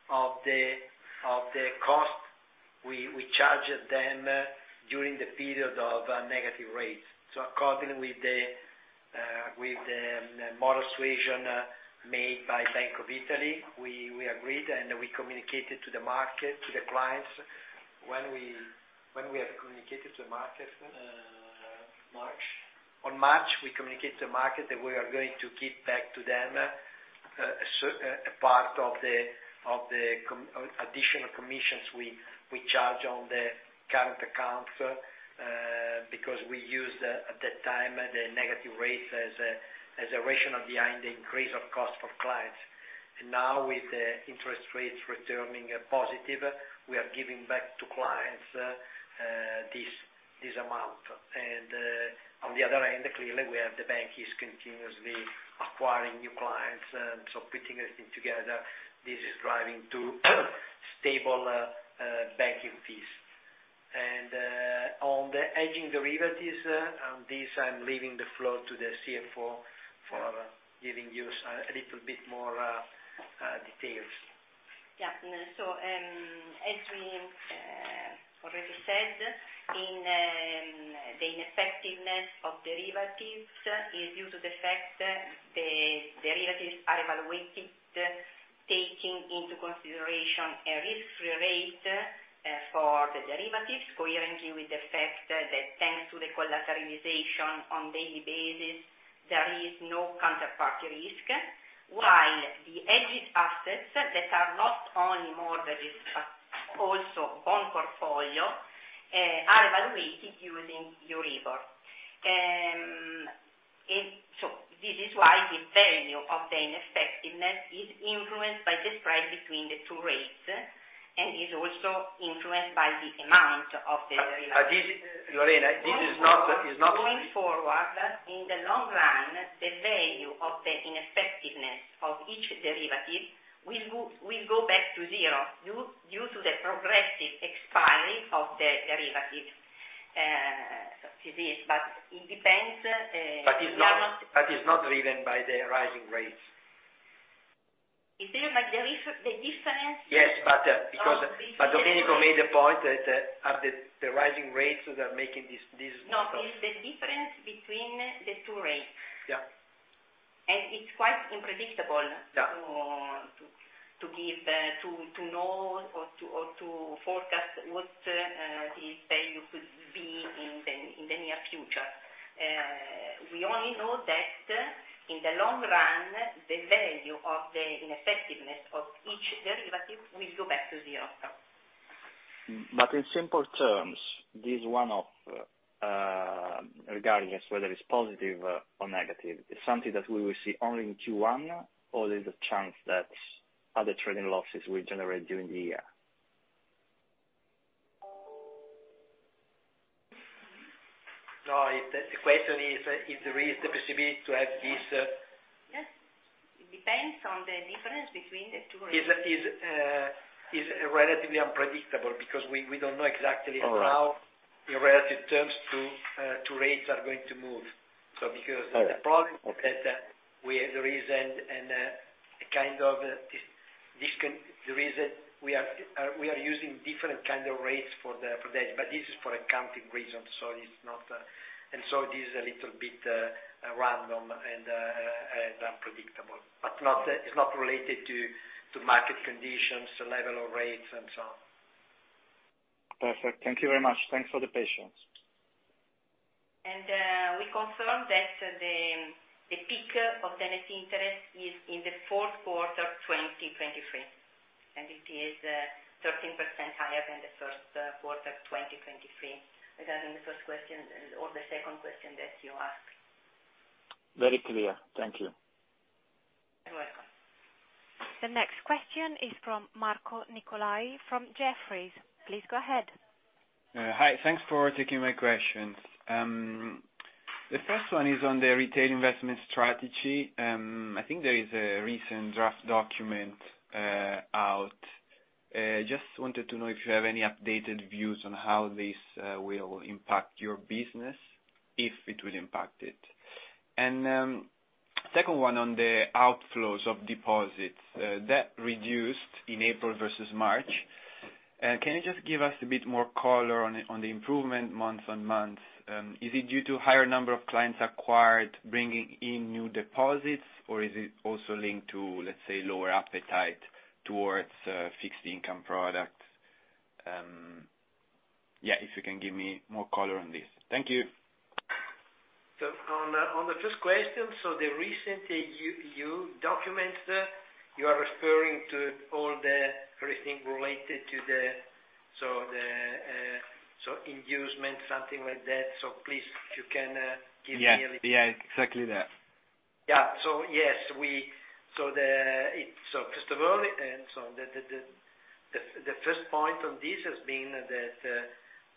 of the cost we charged them during the period of negative rates. According with the model suggestion made by Bank of Italy, we agreed, and we communicated to the market, to the clients. When we have communicated to market. March. On March, we communicate to market that we are going to give back to them a part of the additional commissions we charge on the current accounts, because we used, at that time, the negative rates as a rationale behind the increase of cost for clients. Now with the interest rates returning positive, we are giving back to clients this amount. On the other end, clearly, we have the bank is continuously acquiring new clients. Putting everything together, this is driving to stable banking fees. On the hedging derivatives, on this, I'm leaving the floor to the CFO for giving you a little bit more details. Yeah. As we already said, in the ineffectiveness of derivatives is due to the fact the derivatives are evaluated, taking into consideration a risk-free rate for the derivatives, coherently with the fact that thanks to the collateralization on daily basis, there is no counterparty risk. While the hedged assets that are not only mortgages but also bond portfolio, are evaluated using Euribor. This is why the value of the ineffectiveness is influenced by the spread between the two rates, and is also influenced by the amount of the derivatives. Lorena, this is not. Going forward, in the long run, the value of the ineffectiveness of each derivative will go back to zero due to the progressive expiry of the derivative. This, but it depends. It's not driven by the rising rates. Is driven by the. Yes. Domenico made a point that, at the rising rates, they are making this. No, it's the difference between the two rates. Yeah. It's quite unpredictable. Yeah. To give, to know or to forecast what the value could be in the near future. We only know that in the long run, the value of the ineffectiveness of each derivative will go back to zero. In simple terms, this one-off, regardless whether it's positive or negative, is something that we will see only in Q1, or there's a chance that other trading losses will generate during the year? No, the question is, if there is the possibility to have this. Yes. It depends on the difference between the two rates. Is relatively unpredictable because we don't know exactly. All right. how in relative terms two rates are going to move. All right, okay. the problem is that we there is a. We are using different kind of rates for the. This is for accounting reasons, so it's not. This is a little bit random and unpredictable. Not, it's not related to market conditions, the level of rates, and so on. Perfect. Thank you very much. Thanks for the patience. We confirm that the peak of net interest is in the fourth quarter of 2023, and it is 13% higher than the first quarter of 2023. Regarding the first question or the second question that you asked. Very clear. Thank you. You're welcome. The next question is from Marco Nicolai, from Jefferies. Please go ahead. Hi. Thanks for taking my questions. The first one is on the retail investment strategy. I think there is a recent draft document out. Just wanted to know if you have any updated views on how this will impact your business, if it will impact it. Second one on the outflows of deposits that reduced in April versus March. Can you just give us a bit more color on the improvement month-on-month? Is it due to higher number of clients acquired, bringing in new deposits? Or is it also linked to, let's say, lower appetite towards fixed income products? Yeah, if you can give me more color on this. Thank you. On the first question, the recent EU documents there, you are referring to all the everything related to the... so the, so inducement, something like that. Please, if you can, give me a little. Yeah. Yeah, exactly that. Yeah. Yes, first of all, the first point on this has been that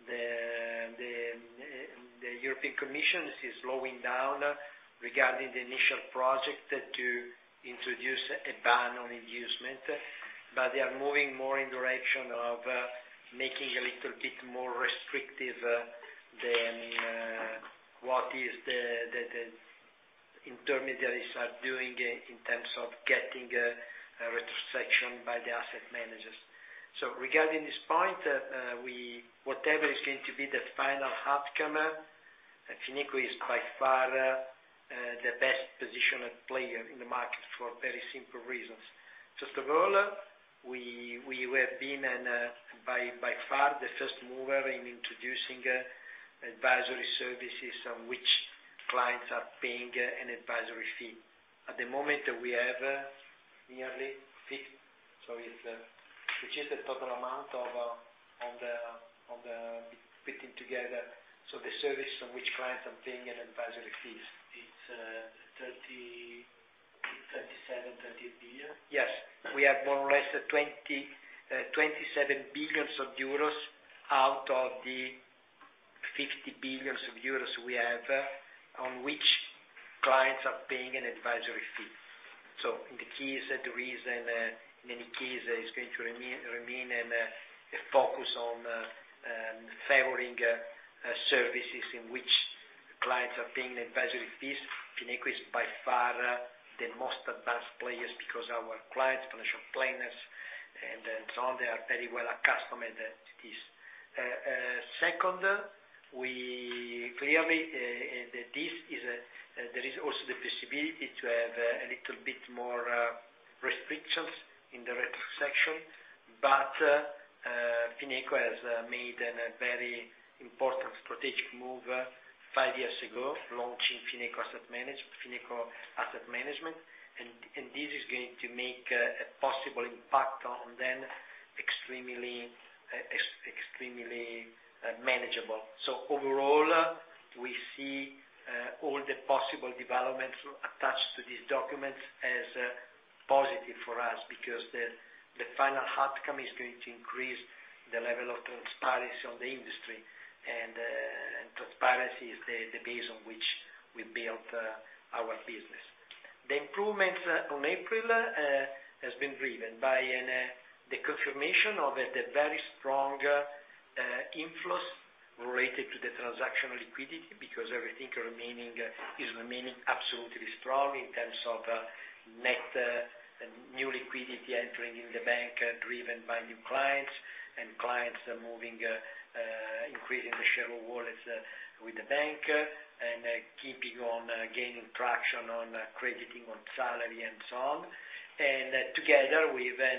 the European Commission is slowing down regarding the initial project to introduce a ban on inducement. They are moving more in direction of making a little bit more restrictive than what is the intermediaries are doing in terms of getting a retrocession by the asset managers. Regarding this point, whatever is going to be the final outcome, Fineco is by far the best-positioned player in the market for very simple reasons. First of all, we have been by far the first mover in introducing advisory services on which clients are paying an advisory fee. At the moment we have nearly 50. Which is the total amount of putting together. The service on which clients are paying an advisory fees. It's 37 billion. Yes. We have more or less 27 billion euros out of the 50 billion euros we have on which clients are paying an advisory fee. In the case that the reason, in any case is going to refocus on favoring services in which clients are paying the advisory fees. Fineco is by far the most advanced players because our clients, financial planners and then so on, they are very well accustomed at this. Second, we clearly, there is also the possibility to have a little bit more restrictions in the retrocession. Fineco has made a very important strategic move five years ago, launching Fineco Asset Management. This is going to make a possible impact on them extremely manageable. Overall, we see all the possible developments attached to these documents as positive for us because the final outcome is going to increase the level of transparency on the industry. Transparency is the base on which we built our business. The improvements on April has been driven by the confirmation of the very strong inflows related to the transactional liquidity, because everything is remaining absolutely strong in terms of net new liquidity entering in the bank, driven by new clients. Clients are moving, increasing the share of wallets with the bank, and keeping on gaining traction on crediting on salary and so on. Together with a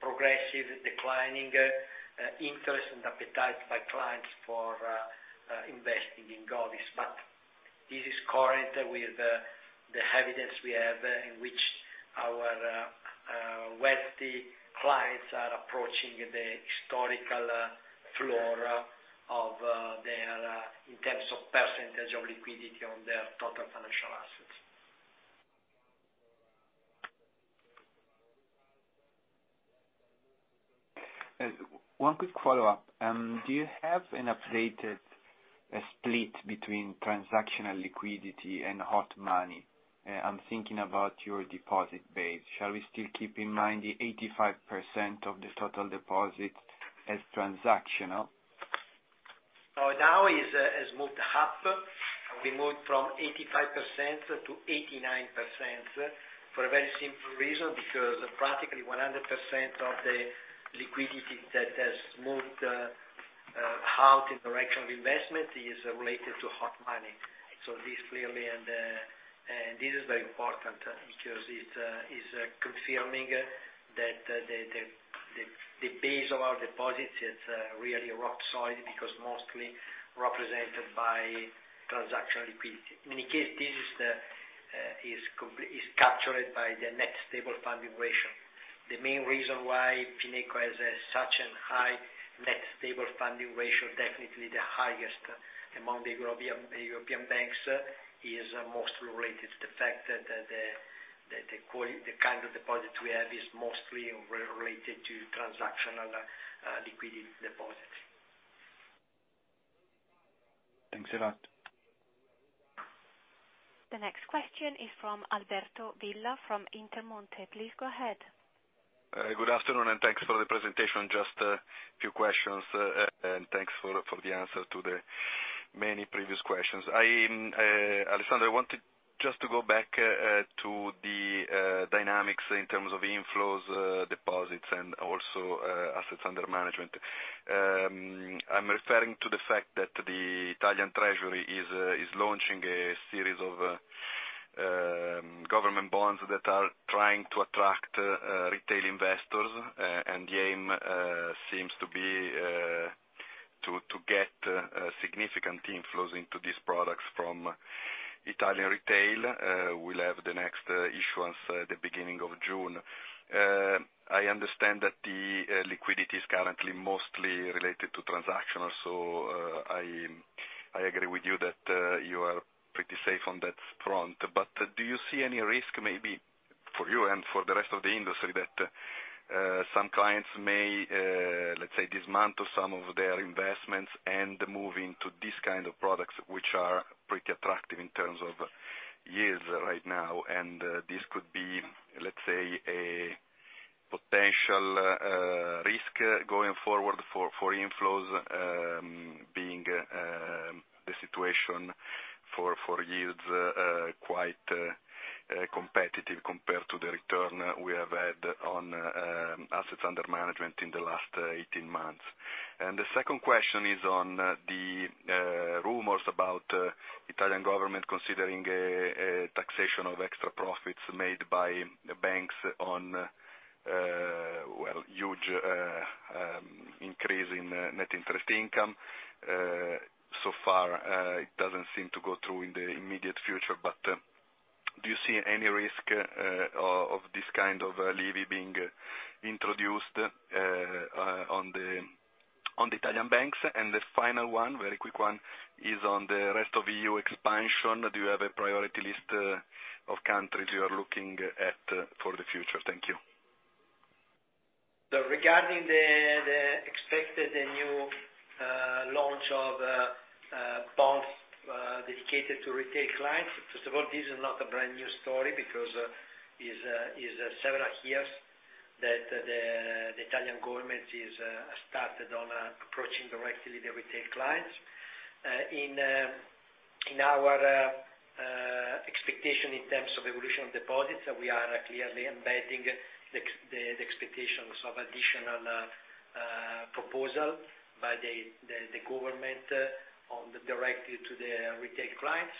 progressive declining interest and appetite by clients for investing in govies. This is current with the evidence we have in which our wealthy clients are approaching the historical floor of their in terms of % of liquidity on their total financial assets. One quick follow-up. Do you have an updated split between transactional liquidity and hot money? I'm thinking about your deposit base. Shall we still keep in mind the 85% of the total deposit as transactional? Now has moved up. We moved from 85%-89% for a very simple reason, because practically 100% of the liquidity that has moved out in direction of investment is related to hot money. This clearly, and this is very important because it is confirming that the base of our deposits is really rock solid because mostly represented by transactional liquidity. In any case, this is the is captured by the Net Stable Funding Ratio. The main reason why FinecoBank has such an high Net Stable Funding Ratio, definitely the highest among the European banks, is mostly related to the fact that the kind of deposit we have is mostly related to transactional liquidity deposits. Thanks a lot. The next question is from Alberto Villa from Intermonte. Please go ahead. Good afternoon, and thanks for the presentation. Just a few questions, and thanks for the answer to the many previous questions. I, Alessandro, I wanted just to go back to the dynamics in terms of inflows, deposits, and also assets under management. I'm referring to the fact that the Italian Treasury is launching a series of government bonds that are trying to attract retail investors. The aim seems to be to get significant inflows into these products from Italian retail. We'll have the next issuance at the beginning of June. I understand that the liquidity is currently mostly related to transactional. I agree with you that you are pretty safe on that front. Do you see any risk maybe for you and for the rest of the industry that some clients may, let's say, dismantle some of their investments and move into this kind of products, which are pretty attractive in terms of yields right now? This could be, let's say, a potential risk going forward for inflows, being the situation for yields quite competitive compared to the return we have had on assets under management in the last 18 months. The second question is on the rumors about Italian government considering a taxation of extra profits made by banks on, well, huge increase in Net Interest Income. So far, it doesn't seem to go through in the immediate future, but do you see any risk of this kind of levy being introduced on the Italian banks? The final one, very quick one, is on the rest of EU expansion. Do you have a priority list of countries you are looking at for the future? Thank you. Regarding the expected new launch of Dedicated to retail clients. First of all, this is not a brand new story because it is several years that the Italian government is started on approaching directly the retail clients. In our expectation in terms of evolution of deposits, we are clearly embedding the expectations of additional proposal by the government directly to the retail clients.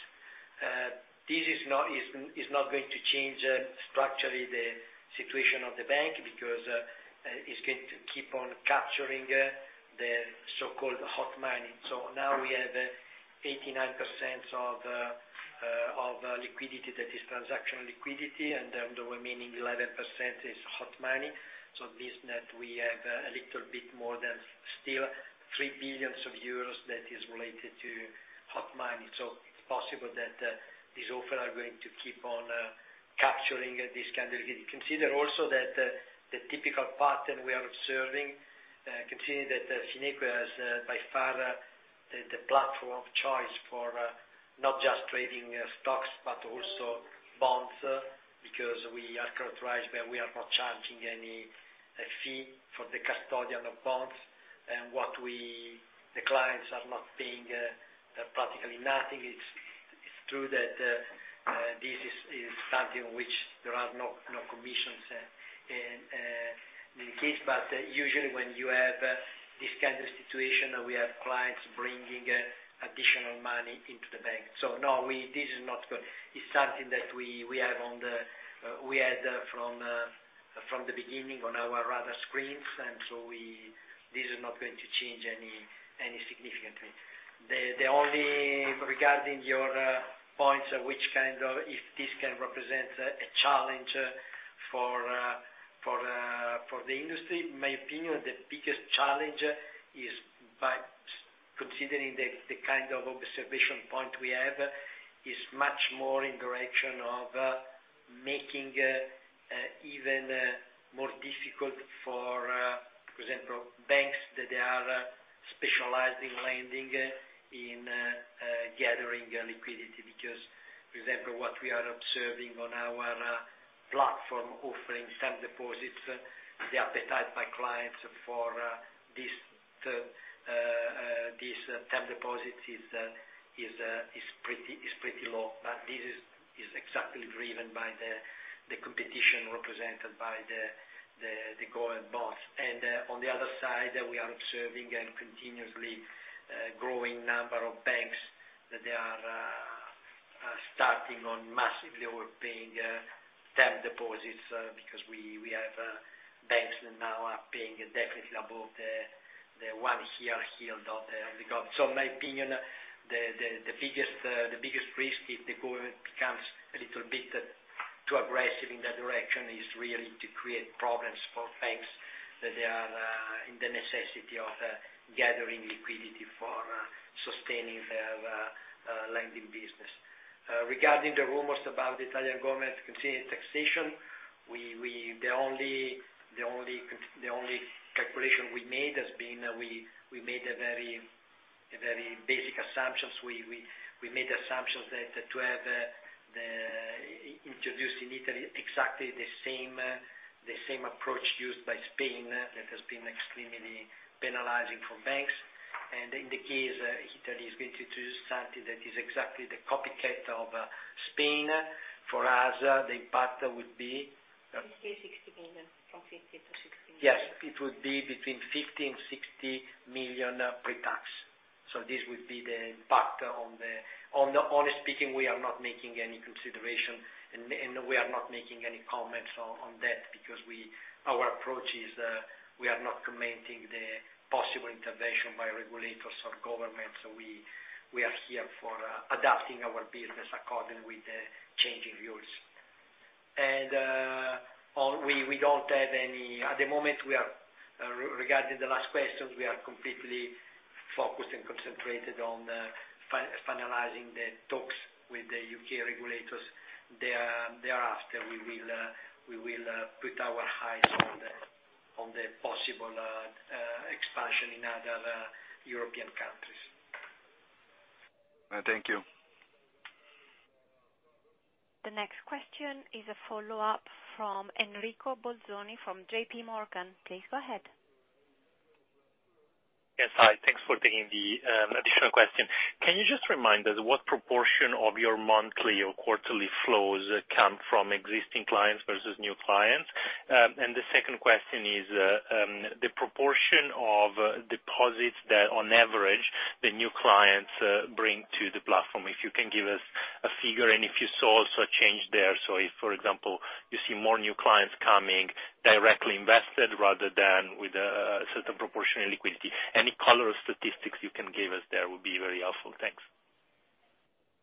This is not going to change structurally the situation of the bank because it's going to keep on capturing the so-called hot money. Now we have 89% of liquidity that is transactional liquidity, and then the remaining 11% is hot money. This net, we have a little bit more than still 3 billion euros that is related to hot money. It's possible that this offer are going to keep on capturing. Consider also that the typical pattern we are observing, considering that Fineco is by far the platform of choice for not just trading stocks but also bonds, because we are characterized by we are not charging any fee for the custodian of bonds. The clients are not paying practically nothing. It's true that this is something which there are no commissions in case. Usually when you have this kind of situation, we have clients bringing additional money into the bank. This is not. It's something that we had from the beginning on our radar screens. This is not going to change any significantly. Regarding your points at which kind of if this can represent a challenge for the industry, in my opinion, the biggest challenge is by considering the kind of observation point we have, is much more in direction of making even more difficult for example, banks that they are specializing lending in gathering liquidity. For example, what we are observing on our platform offering term deposits, the appetite by clients for this term deposits is pretty low. This is exactly driven by the competition represented by the, the current bonds. On the other side, we are observing a continuously, growing number of banks that they are, starting on massively overpaying, term deposits, because we have, banks that now are paying definitely above the one year yield of the, of the gov. In my opinion, the biggest risk if the government becomes a little bit too aggressive in that direction, is really to create problems for banks that they are, in the necessity of, gathering liquidity for, sustaining their, lending business. Regarding the rumors about the Italian government continuing taxation, we… The only calculation we made has been, we made a very basic assumptions. We made assumptions that to have the introduce in Italy exactly the same approach used by Spain that has been extremely penalizing for banks. In the case Italy is going to do something that is exactly the copycat of Spain, for us, the impact would be. 50 million, 60 million. From 50 million-60 million. Yes, it would be between 50 million-60 million pre-tax. This would be the impact on speaking. We are not making any consideration and we are not making any comments on that because our approach is we are not commenting the possible intervention by regulators or government. We are here for adapting our business according with the changing rules. We don't have any. At the moment, we are regarding the last questions, we are completely focused and concentrated on finalizing the talks with the U.K. regulators. Thereafter, we will put our highs on the possible expansion in other European countries. Thank you. The next question is a follow-up from Enrico Bolzoni from JP Morgan. Please go ahead. Yes. Hi. Thanks for taking the additional question. Can you just remind us what proportion of your monthly or quarterly flows come from existing clients versus new clients? The second question is the proportion of deposits that on average the new clients bring to the platform. If you can give us a figure and if you saw also a change there. If, for example, you see more new clients coming directly invested rather than with a certain proportion in liquidity. Any color or statistics you can give us there would be very helpful. Thanks.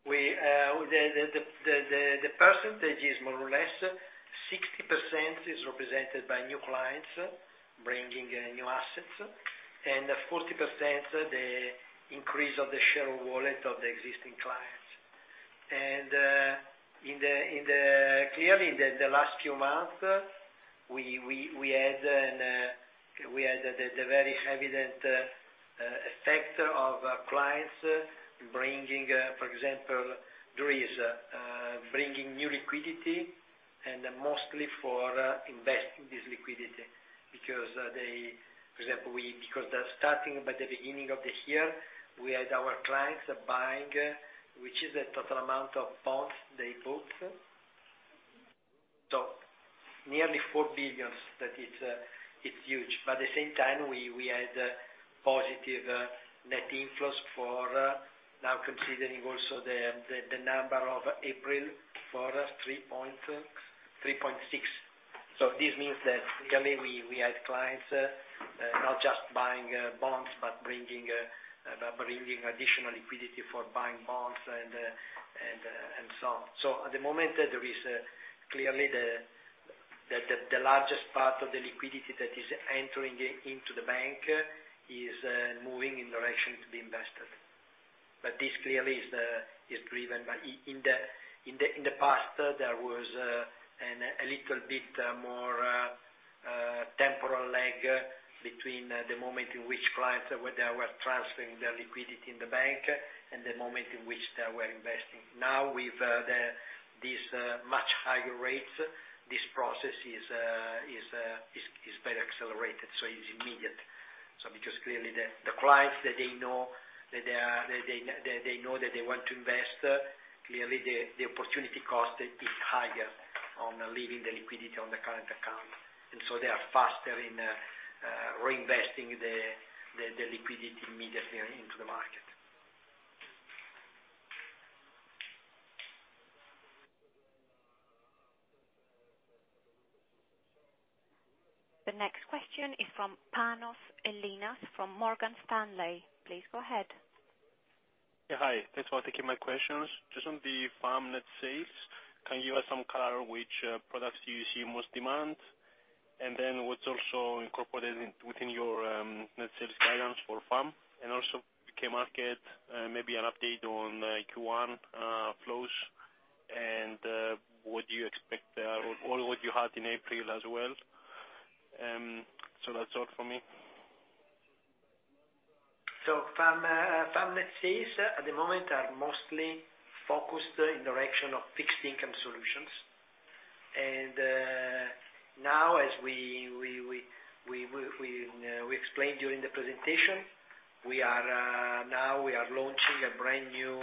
We, the percentage is more or less 60% is represented by new clients bringing in new assets, and 40% the increase of the share wallet of the existing clients. In the clearly, the last few months, we had the very evident effect of clients bringing, for example, there is bringing new liquidity and mostly for investing this liquidity because. Because they're starting by the beginning of the year, we had our clients buying, which is the total amount of bonds they bought. Nearly 4 billion. That is huge. At the same time, we had positive net inflows for now considering also the number of April for 3.6 billion. This means that clearly we had clients, not just buying bonds but bringing additional liquidity for buying bonds and so on. At the moment, there is clearly the largest part of the liquidity that is entering into the bank is moving in the direction to be invested. This clearly is driven by in the past, there was a little bit more temporal lag between the moment in which clients were transferring their liquidity in the bank and the moment in which they were investing. Now, with this much higher rates, this process is very accelerated, so it's immediate. Because clearly the clients that they know that they are, they know that they want to invest, clearly the opportunity cost is higher on leaving the liquidity on the current account. They are faster in reinvesting the liquidity immediately into the market. The next question is from Panos Ellinas from Morgan Stanley. Please go ahead. Yeah, hi. Thanks for taking my questions. Just on the FAM net sales, can you give us some color which products you see most demand? What's also incorporated within your net sales guidance for FAM? U.K. market, maybe an update on Q1 flows and what you expect or what you had in April as well. That's all for me. FAM net sales at the moment are mostly focused in the direction of fixed income solutions. Now as we explained during the presentation, we are now we are launching a brand new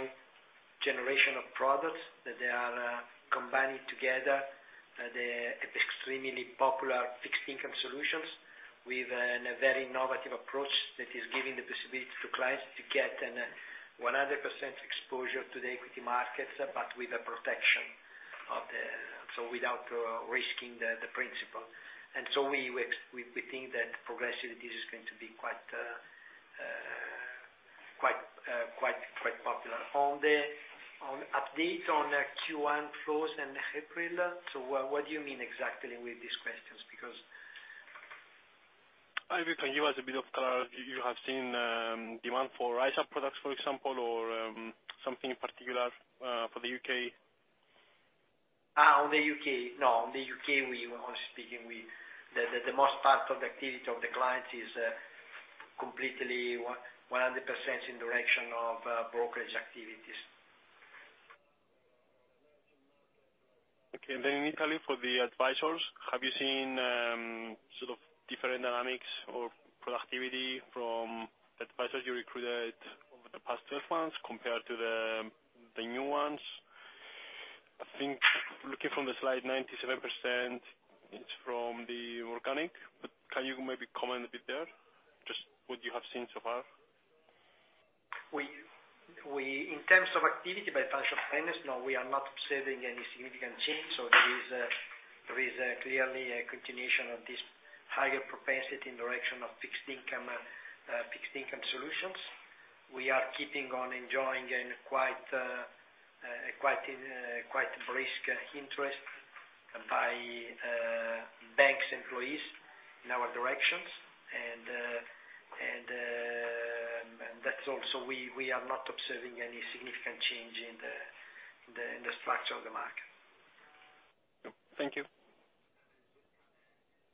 generation of products that they are combining together the extremely popular fixed income solutions with a very innovative approach that is giving the possibility to clients to get an 100% exposure to the equity markets, but with a protection of the. Without risking the principal. We think that progressively this is going to be quite popular. On the update on Q1 flows in April, what do you mean exactly with these questions? If you can give us a bit of color. You have seen demand for ISA products, for example, or something in particular for the U.K.? On the U.K. No, on the U.K., we, honestly speaking, we. The most part of the activity of the clients is completely 100% in direction of brokerage activities. Okay. then in Italy for the advisors, have you seen, sort of different dynamics or productivity from advisors you recruited over the past 12 months compared to the new ones? I think looking from the slide, 97% is from the organic, can you maybe comment a bit there, just what you have seen so far? We, in terms of activity by financial planners, no, we are not observing any significant change. There is clearly a continuation of this higher propensity in direction of fixed income fixed income solutions. We are keeping on enjoying and quite brisk interest by banks employees in our directions. That's all. We are not observing any significant change in the structure of the market. Thank you.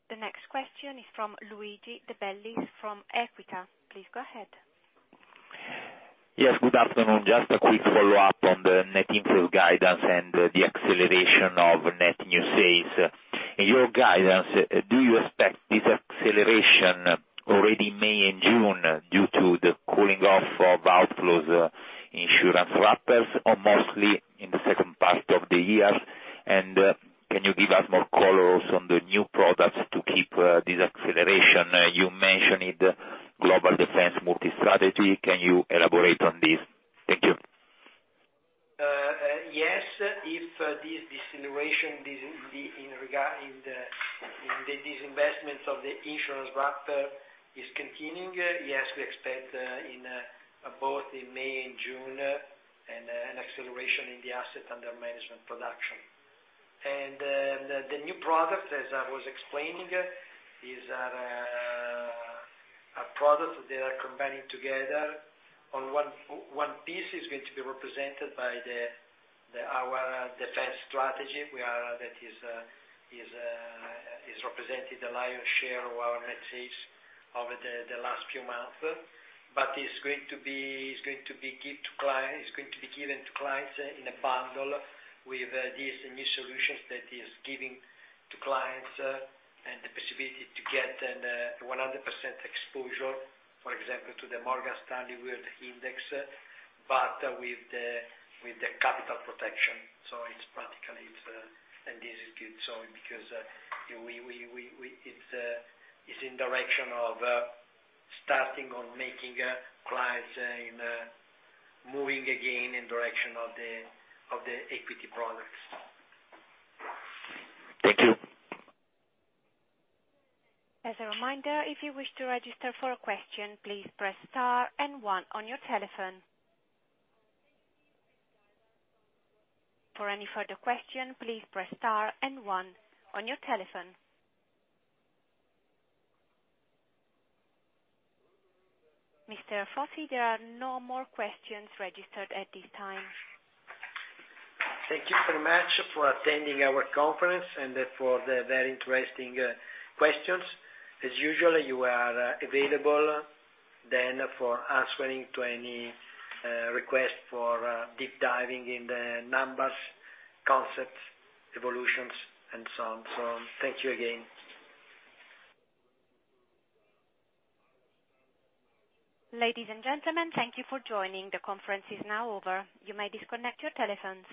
The next question is from Luigi De Bellis from EQUITA. Please go ahead. Yes, good afternoon. Just a quick follow-up on the net inflow guidance and the acceleration of net new sales. In your guidance, do you expect this acceleration already May and June due to the cooling off of outflows insurance wrappers, or mostly in the second part of the year? Can you give us more color also on the new products to keep this acceleration? You mentioned it, Global Defence Multi-Strategy. Can you elaborate on this? Thank you. Yes. If this deceleration, this, in regard, in the disinvestment of the insurance wrapper is continuing, yes, we expect, in both in May and June an acceleration in the asset under management production. The new product, as I was explaining, is a product that are combining together. On one piece is going to be represented by the, our Defence strategy. That is representing the lion's share of our net sales over the last few months. It's going to be given to clients in a bundle with this new solutions that is giving to clients the possibility to get an 100% exposure, for example, to the Morgan Stanley World Index, with the capital protection. It's practically, it's. This is good, so because we. It's in direction of starting on making clients in moving again in direction of the equity products. Thank you. As a reminder, if you wish to register for a question, please press star and one on your telephone. For any further question, please press star and one on your telephone. Mr. Foti, there are no more questions registered at this time. Thank you very much for attending our conference and for the very interesting questions. As usual, you are available then for answering to any request for deep diving in the numbers, concepts, evolutions, and so on. Thank you again. Ladies and gentlemen, thank you for joining. The conference is now over. You may disconnect your telephones.